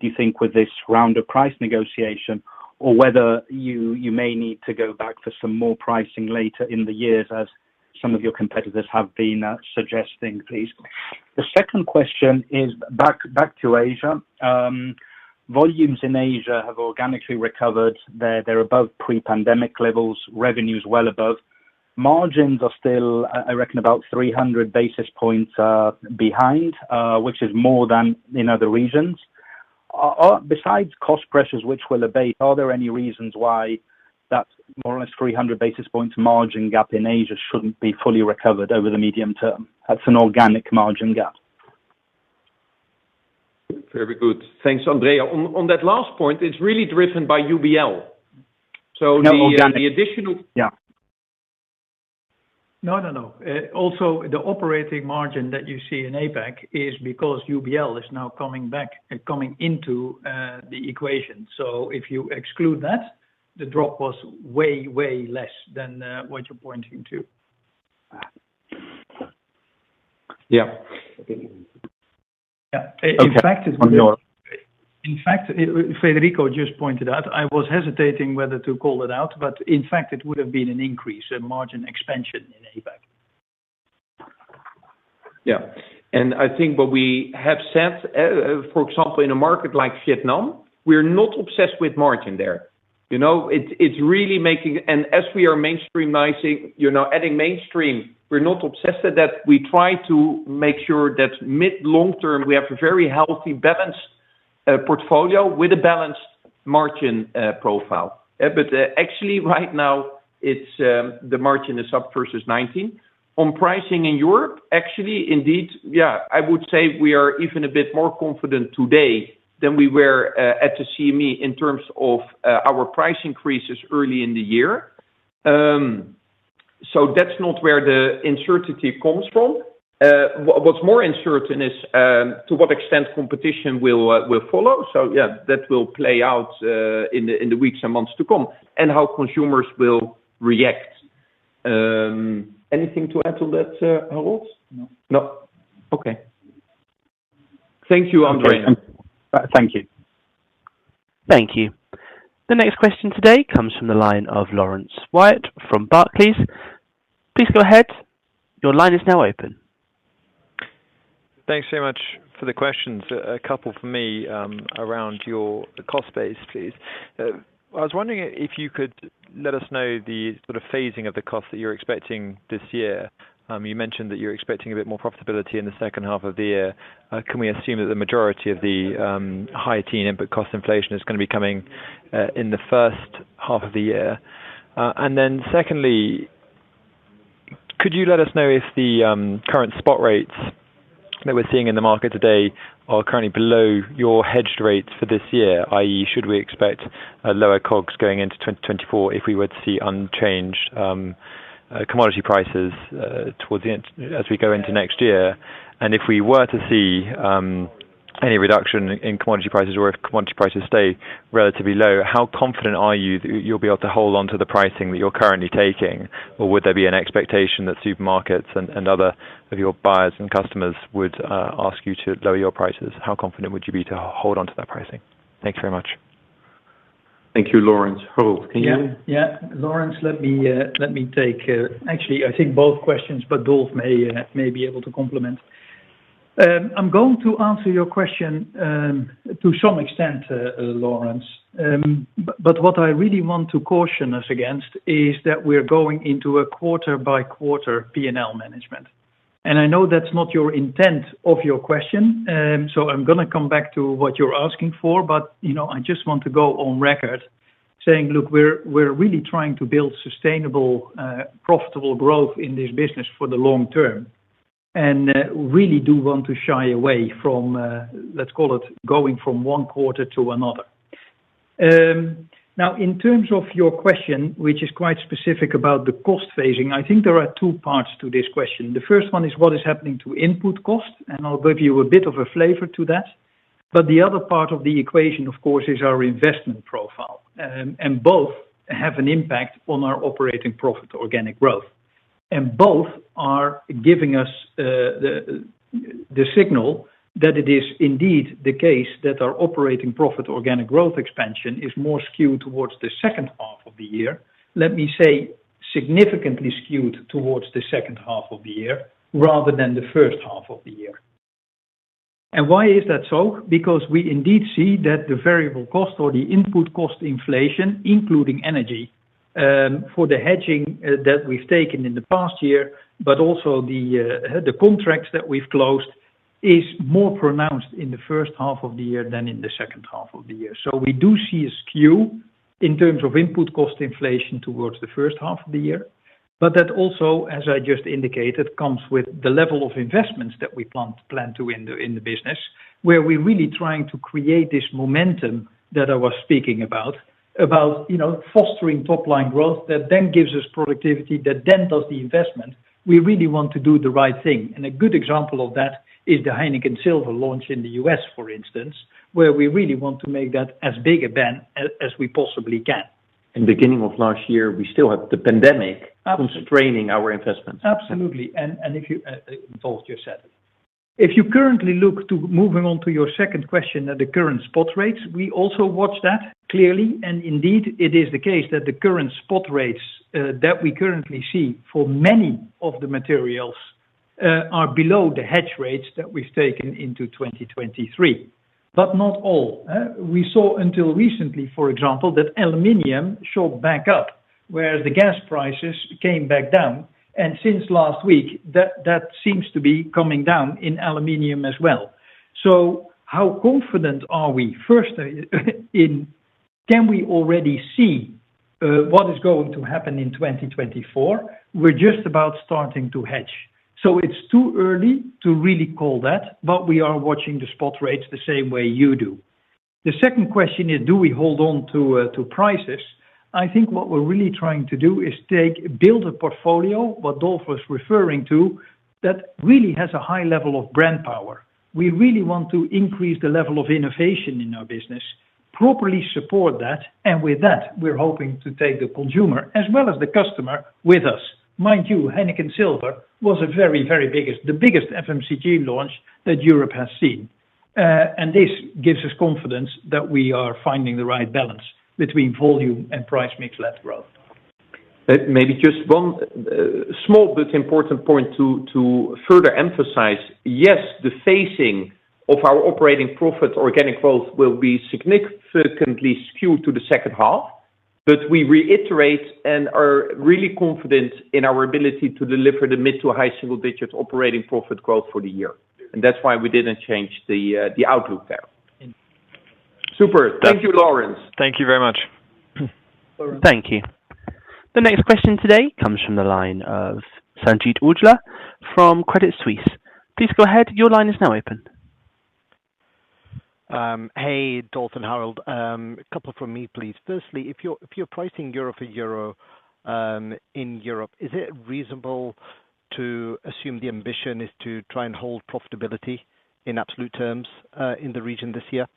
do you think with this round of price negotiation or whether you may need to go back for some more pricing later in the year as some of your competitors have been suggesting, please? The second question is back to Asia. Volumes in Asia have organically recovered. They're above pre-pandemic levels, revenues well above. Margins are still, I reckon, about 300 basis points behind, which is more than in other regions. Besides cost pressures which will abate, are there any reasons why that more or less 300 basis points margin gap in Asia shouldn't be fully recovered over the medium term? That's an organic margin gap. Very good. Thanks, Andrea. On that last point, it's really driven by UBL. Yeah. No, no. Also, the operating margin that you see in APAC is because UBL is now coming back and coming into the equation. If you exclude that, the drop was way less than what you're pointing to. Yeah. Yeah. Okay. Federico just pointed out I was hesitating whether to call it out, but in fact it would have been an increase, a margin expansion in APAC. Yeah. I think what we have said, for example, in a market like Vietnam, we're not obsessed with margin there. You know, it's really making... as we are mainstreamizing, you know adding mainstream, we're not obsessed that we try to make sure that mid long term, we have a very healthy balanced portfolio with a balanced margin profile. Actually right now it's, the margin is up versus 19. On pricing in Europe, actually, indeed, yeah, I would say we are even a bit more confident today than we were at the CME in terms of our price increases early in the year. That's not where the uncertainty comes from. What's more uncertain is to what extent competition will follow. Yeah, that will play out in the weeks and months to come and how consumers will react. Anything to add to that, Roel? No. No? Okay. Thank you, Andrea. Thank you. Thank you. The next question today comes from the line of Lawrence White from Barclays. Please go ahead. Your line is now open. Thanks very much for the questions. A couple from me, around your cost base, please. I was wondering if you could let us know the sort of phasing of the cost that you're expecting this year. You mentioned that you're expecting a bit more profitability in the second half of the year. Can we assume that the majority of the high-teen input cost inflation is going to be coming in the first half of the year? Secondly, could you let us know if the current spot rates that we're seeing in the market today are currently below your hedged rates for this year, i.e., should we expect a lower COGS going into 2024 if we were to see unchanged commodity prices towards the end as we go into next year? If we were to see, any reduction in commodity prices or if commodity prices stay relatively low, how confident are you that you'll be able to hold on to the pricing that you're currently taking? Would there be an expectation that supermarkets and other of your buyers and customers would ask you to lower your prices? How confident would you be to hold on to that pricing? Thanks very much. Thank you, Lawrence. Roel, can you? Yeah. Yeah. Lawrence, let me, let me take, actually I think both questions, but Dolf may be able to complement. I'm going to answer your question to some extent, Lawrence. But what I really want to caution us against is that we're going into a quarter by quarter P&L management. I know that's not your intent of your question. I'm gonna come back to what you're asking for. You know, I just want to go on record saying, "Look, we're really trying to build sustainable, profitable growth in this business for the long term." Really do want to shy away from, let's call it, going from one quarter to another. In terms of your question, which is quite specific about the cost phasing, I think there are two parts to this question. The first one is what is happening to input costs, and I'll give you a bit of a flavor to that. The other part of the equation, of course, is our investment profile. Both have an impact on our operating profit organic growth. Both are giving us the signal that it is indeed the case that our operating profit organic growth expansion is more skewed towards the second half of the year, let me say, significantly skewed towards the second half of the year rather than the first half of the year. Why is that so? We indeed see that the variable cost or the input cost inflation, including energy, for the hedging that we've taken in the past year, but also the contracts that we've closed, is more pronounced in the first half of the year than in the second half of the year. We do see a skew in terms of input cost inflation towards the first half of the year. That also, as I just indicated, comes with the level of investments that we plan to in the business, where we're really trying to create this momentum that I was speaking about. About, you know, fostering top-line growth that then gives us productivity, that then does the investment. We really want to do the right thing. A good example of that is the Heineken Silver launch in the U.S., for instance, where we really want to make that as big event as we possibly can. In beginning of last year, we still have the pandemic constraining our investments. Absolutely. If you, as Dolf just said. If you currently look to, moving on to your second question, at the current spot rates, we also watch that clearly. Indeed, it is the case that the current spot rates that we currently see for many of the materials are below the hedge rates that we've taken into 2023, but not all. We saw until recently, for example, that aluminum showed back up, whereas the gas prices came back down. Since last week, that seems to be coming down in aluminum as well. How confident are we? First, can we already see what is going to happen in 2024? We're just about starting to hedge. It's too early to really call that, but we are watching the spot rates the same way you do. The second question is, do we hold on to prices? I think what we're really trying to do is build a portfolio, what Dolf was referring to, that really has a high level of brand power. We really want to increase the level of innovation in our business, properly support that, and with that, we're hoping to take the consumer as well as the customer with us. Mind you, Heineken Silver was a very biggest, the biggest FMCG launch that Europe has seen. This gives us confidence that we are finding the right balance between volume and price mix led growth. Maybe just one small but important point to further emphasize. Yes, the phasing of our operating profit organic growth will be significantly skewed to the second half. We reiterate and are really confident in our ability to deliver the mid-to-high single-digit operating profit growth for the year. That's why we didn't change the outlook there. Super. Thank you, Lawrence. Thank you very much. Thank you. The next question today comes from the line of Sanjeet Aujla from Credit Suisse. Please go ahead. Your line is now open. Hey, Dolf and Harold. A couple from me, please. Firstly, if you're, if you're pricing euro for euro, in Europe, is it reasonable to assume the ambition is to try and hold profitability in absolute terms, in the region this year?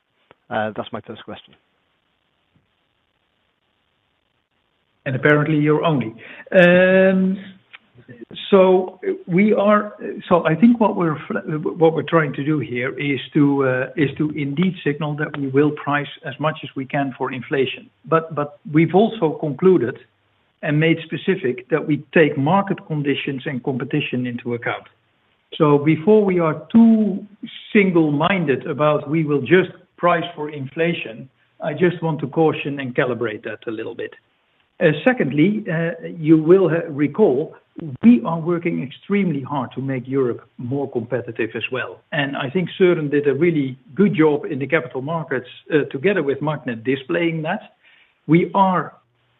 That's my first question. Apparently you're only. So I think what we're trying to do here is to indeed signal that we will price as much as we can for inflation. We've also concluded and made specific that we take market conditions and competition into account. Before we are too single-minded about we will just price for inflation, I just want to caution and calibrate that a little bit. Secondly, you will recall, we are working extremely hard to make Europe more competitive as well. I think Surin did a really good job in the capital markets together with Magnet displaying that. We are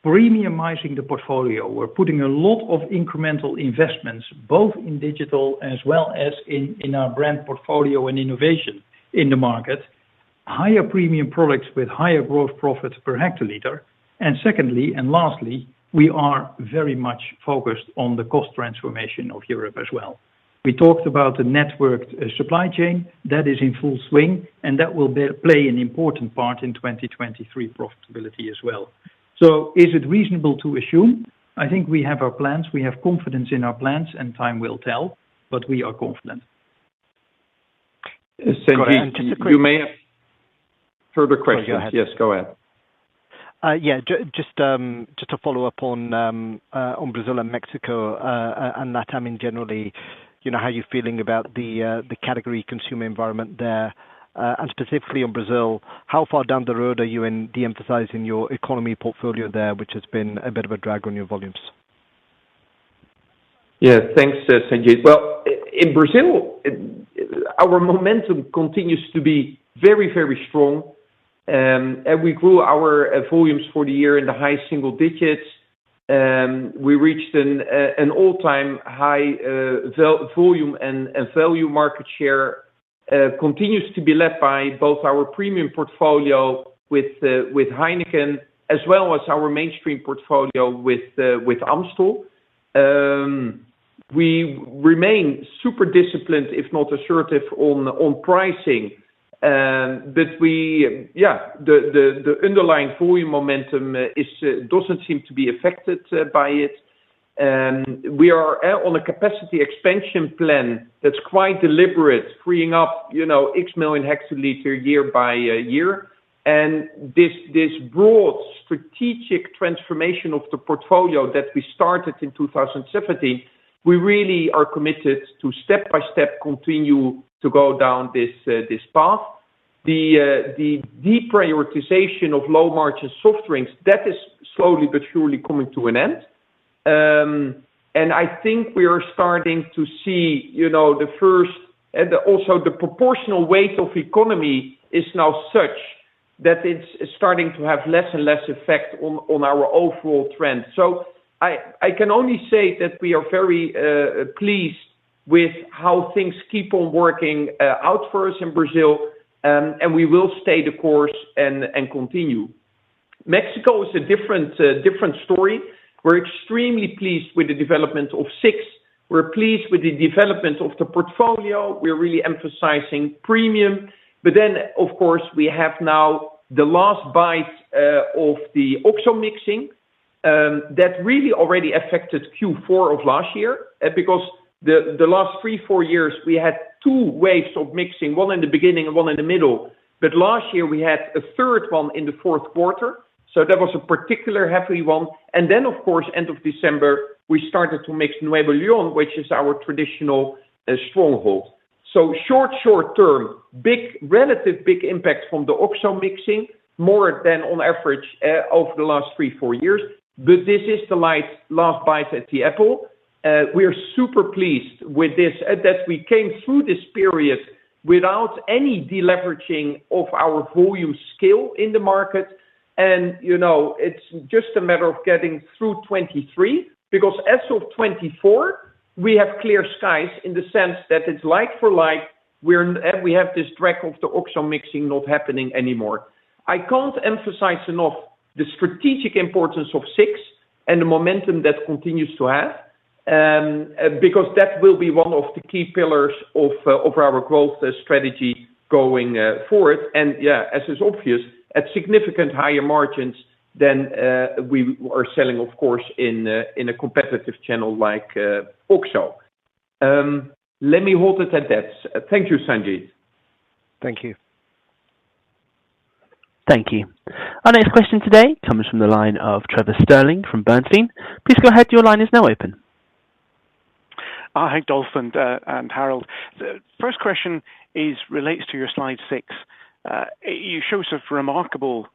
premiumizing the portfolio. We're putting a lot of incremental investments, both in digital as well as in our brand portfolio and innovation in the market, higher premium products with higher growth profits per hectoliter. Secondly, and lastly, we are very much focused on the cost transformation of Europe as well. We talked about the networked supply chain that is in full swing, and that will play an important part in 2023 profitability as well. Is it reasonable to assume? I think we have our plans. We have confidence in our plans and time will tell, but we are confident. Sanjeet, you may have further questions. Yes, go ahead. Yeah. Just to follow up on Brazil and Mexico and LatAm in generally, you know, how you're feeling about the category consumer environment there, and specifically on Brazil, how far down the road are you in de-emphasizing your economy portfolio there, which has been a bit of a drag on your volumes? Thanks, Sanjeet. in Brazil, our momentum continues to be very, very strong. we grew our volumes for the year in the high single digits. we reached an all-time high volume and value market share continues to be led by both our premium portfolio with Heineken as well as our mainstream portfolio with Amstel. we remain super disciplined, if not assertive on pricing. the underlying volume momentum is doesn't seem to be affected by it. we are on a capacity expansion plan that's quite deliberate, freeing up, you know, X million hectoliters year by year. This broad strategic transformation of the portfolio that we started in 2017, we really are committed to step-by-step continue to go down this path. The deprioritization of low margin soft drinks, that is slowly but surely coming to an end. I think we are starting to see, you know, the first... Also the proportional weight of economy is now such that it's starting to have less and less effect on our overall trend. I can only say that we are very pleased with how things keep on working out for us in Brazil, and we will stay the course and continue. Mexico is a different story. We're extremely pleased with the development of SIX. We're pleased with the development of the portfolio. We're really emphasizing premium. Of course, we have now the last bite of the OXXO mixing that really already affected Q4 of last year. Because the last three, four years, we had two waves of mixing, one in the beginning and one in the middle. Last year, we had a third one in the 4th quarter. That was a particular heavy one. Of course, end of December, we started to mix Nuevo Leon, which is our traditional stronghold. Short term, relative big impact from the Oxxo mixing, more than on average, over the last three, four years. This is the last bite at the apple. We are super pleased with this, that we came through this period without any deleveraging of our volume scale in the market. You know, it's just a matter of getting through 2023, because as of 2024, we have clear skies in the sense that it's like for like, we have this track of the auction mixing not happening anymore. I can't emphasize enough the strategic importance of SIX and the momentum that continues to have, because that will be one of the key pillars of our growth strategy going forward. Yeah, as is obvious, at significant higher margins than we are selling, of course, in a competitive channel like Auchan. Let me hold it at that. Thank you, Sanjeet. Thank you. Thank you. Our next question today comes from the line of Trevor Stirling from Bernstein. Please go ahead. Your line is now open. Hi, Dolf and Harold. The first question is relates to your slide six. You show sort of remarkable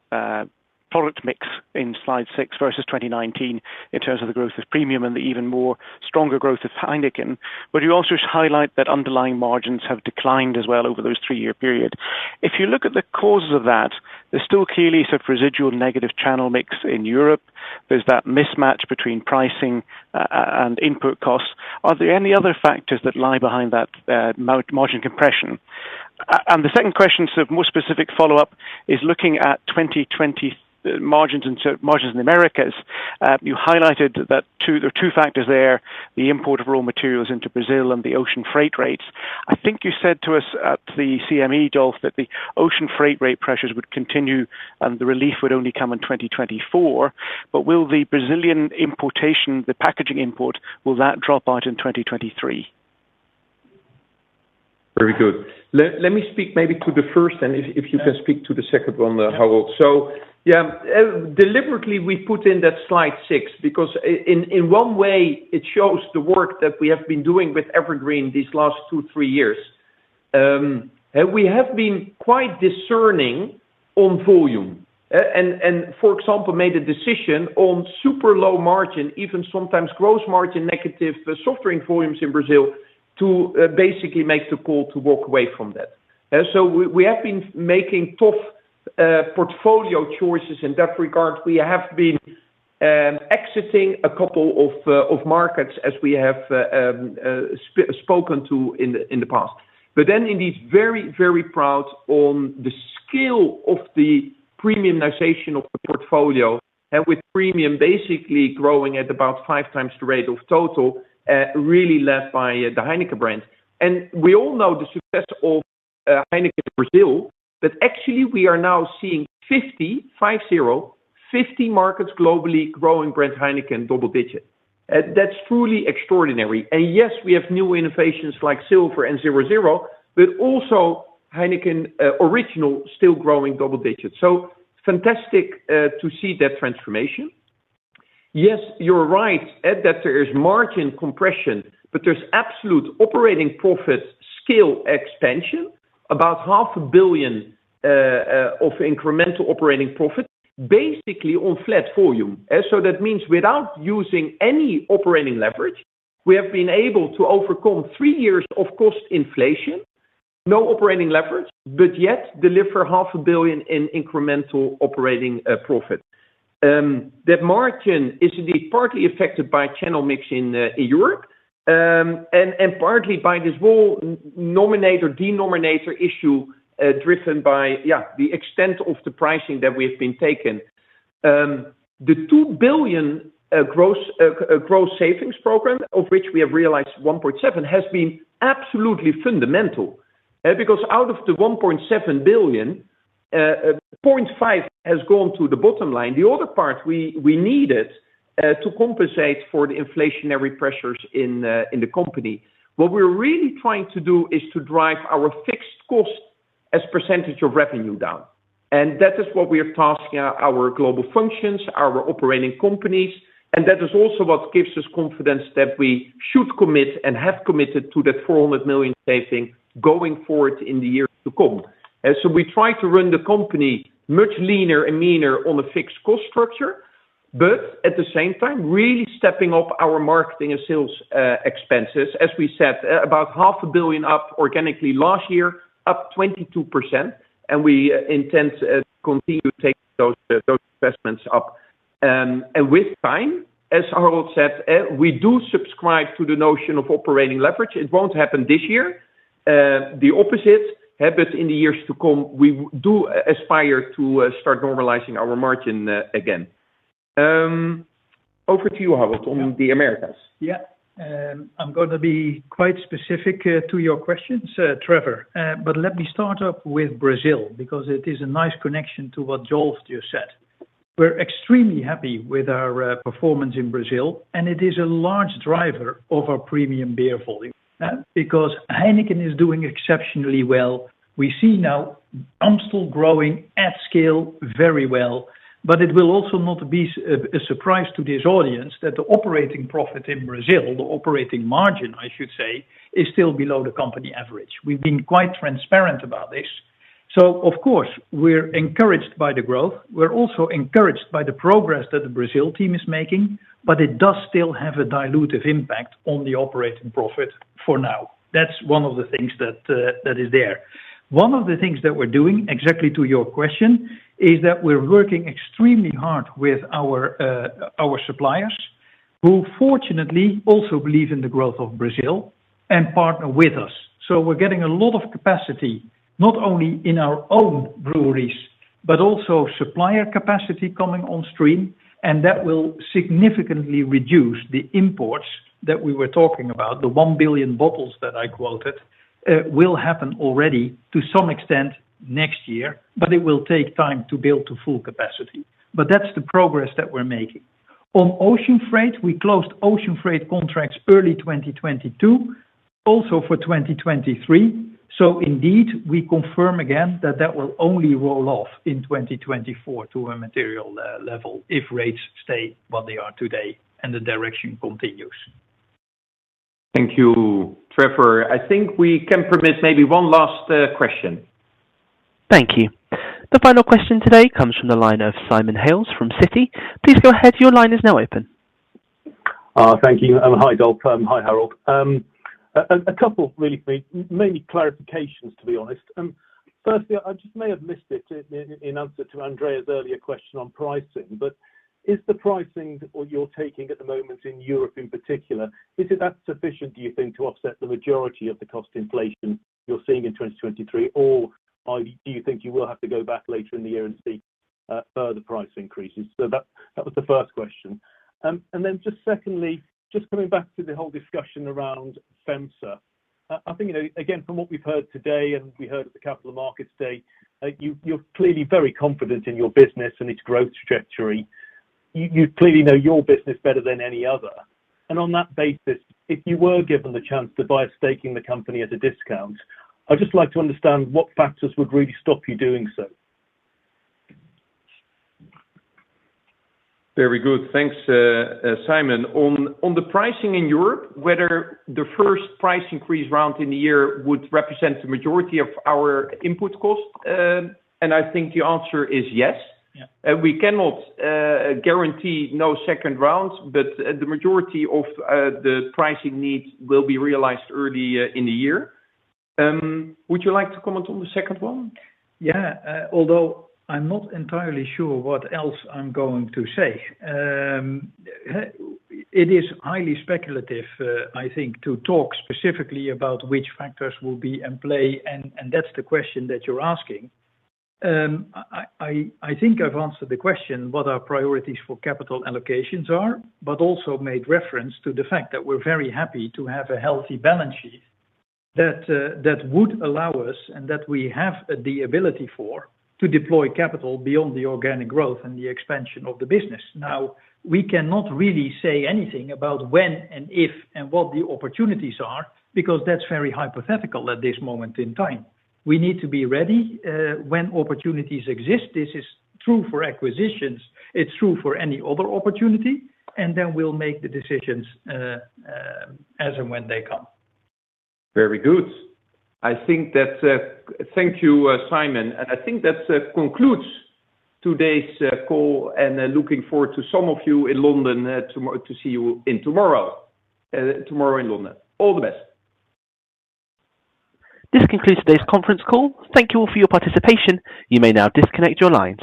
product mix in slide six versus 2019 in terms of the growth of premium and the even more stronger growth of Heineken. You also highlight that underlying margins have declined as well over those three-year period. If you look at the causes of that, there's still clearly sort of residual negative channel mix in Europe. There's that mismatch between pricing and input costs. Are there any other factors that lie behind that margin compression? The second question, so more specific follow-up, is looking at 2020 margins and so margins in Americas. You highlighted that there are two factors there, the import of raw materials into Brazil and the ocean freight rates. I think you said to us at the CME, Dolf, that the ocean freight rate pressures would continue and the relief would only come in 2024. Will the Brazilian importation, the packaging import, will that drop out in 2023? Very good. Let me speak maybe to the first and if you can speak to the second one, Harold. Deliberately, we put in that slide six because in one way, it shows the work that we have been doing with EverGreen these last two, three years. We have been quite discerning on volume. For example, made a decision on super low margin, even sometimes gross margin negative soft drink volumes in Brazil to basically make the call to walk away from that. We have been making tough portfolio choices in that regard. We have been exiting a couple of markets as we have spoken to in the past. Indeed, very, very proud on the scale of the premiumization of the portfolio and with premium basically growing at about five times the rate of total, really led by the Heineken brand. We all know the success of Heineken Brazil, but actually we are now seeing 50 markets globally growing brand Heineken double-digit. That's truly extraordinary. Yes, we have new innovations like Silver and Zero Zero, but also Heineken Original still growing double-digit. Fantastic to see that transformation. You're right, Ed, that there is margin compression, but there's absolute operating profit scale expansion, about half a billion EUR of incremental operating profit, basically on flat volume. That means without using any operating leverage, we have been able to overcome three years of cost inflation, no operating leverage, but yet deliver half a billion in incremental operating profit. That margin is indeed partly affected by channel mix in Europe, and partly by this whole nominators, denominator issue, driven by the extent of the pricing that we have been taken. The 2 billion gross savings program, of which we have realized 1.7 billion, has been absolutely fundamental. Because out of the 1.7 billion, 0.5 billion has gone to the bottom line. The other part we needed to compensate for the inflationary pressures in the company. What we're really trying to do is to drive our fixed cost as percentage of revenue down. That is what we are tasking our global functions, our operating companies. That is also what gives us confidence that we should commit and have committed to that 400 million saving going forward in the years to come. So we try to run the company much leaner and meaner on a fixed cost structure, but at the same time, really stepping up our marketing and sales expenses, as we said, about half a billion up organically last year, up 22%, and we intend to continue taking those investments up. With time, as Harold said, we do subscribe to the notion of operating leverage. It won't happen this year. The opposite happens in the years to come. We do aspire to start normalizing our margin again. Over to you, Harold, on the Americas. I'm gonna be quite specific to your questions, Trevor. Let me start up with Brazil because it is a nice connection to what Dolf just said. We're extremely happy with our performance in Brazil, and it is a large driver of our premium beer volume because Heineken is doing exceptionally well. We see now Amstel growing at scale very well, but it will also not be a surprise to this audience that the operating profit in Brazil, the operating margin, I should say, is still below the company average. We've been quite transparent about this. Of course, we're encouraged by the growth. We're also encouraged by the progress that the Brazil team is making, but it does still have a dilutive impact on the operating profit for now. That's one of the things that is there. One of the things that we're doing, exactly to your question, is that we're working extremely hard with our suppliers, who fortunately also believe in the growth of Brazil and partner with us. We're getting a lot of capacity, not only in our own breweries, but also supplier capacity coming on stream, and that will significantly reduce the imports that we were talking about. The 1 billion bottles that I quoted, will happen already to some extent next year, but it will take time to build to full capacity. That's the progress that we're making. On ocean freight, we closed ocean freight contracts early 2022, also for 2023. Indeed, we confirm again that that will only roll off in 2024 to a material level if rates stay what they are today and the direction continues. Thank you, Trevor. I think we can permit maybe one last question. Thank you. The final question today comes from the line of Simon Hales from Citi. Please go ahead. Your line is now open. Thank you. Hi, Dolf. Hi, Harold. A couple really quick, mainly clarifications, to be honest. Firstly, I just may have missed it in answer to Andrea's earlier question on pricing, but is the pricing or you're taking at the moment in Europe in particular, is it that sufficient, do you think, to offset the majority of the cost inflation you're seeing in 2023 or do you think you will have to go back later in the year and seek further price increases? That was the first question. Just secondly, just coming back to the whole discussion around FEMSA. I think, you know, again, from what we've heard today and we heard at the Capital Markets Day, you're clearly very confident in your business and its growth trajectory. You clearly know your business better than any other. On that basis, if you were given the chance to buy a stake in the company at a discount, I'd just like to understand what factors would really stop you doing so. Very good. Thanks, Simon. On the pricing in Europe, whether the first price increase round in the year would represent the majority of our input costs, I think the answer is yes. Yeah. We cannot guarantee no second rounds, but the majority of the pricing needs will be realized early in the year. Would you like to comment on the second one? Yeah. Although I'm not entirely sure what else I'm going to say. It is highly speculative, I think, to talk specifically about which factors will be in play, and that's the question that you're asking. I think I've answered the question what our priorities for capital allocations are, but also made reference to the fact that we're very happy to have a healthy balance sheet that would allow us and that we have the ability for, to deploy capital beyond the organic growth and the expansion of the business. We cannot really say anything about when and if and what the opportunities are because that's very hypothetical at this moment in time. We need to be ready when opportunities exist. This is true for acquisitions, it's true for any other opportunity, and then we'll make the decisions, as and when they come. Very good. Thank you, Simon, and I think that concludes today's call and looking forward to some of you in London to see you in tomorrow. Tomorrow in London. All the best. This concludes today's conference call. Thank You all for your participation. You may now disconnect your lines.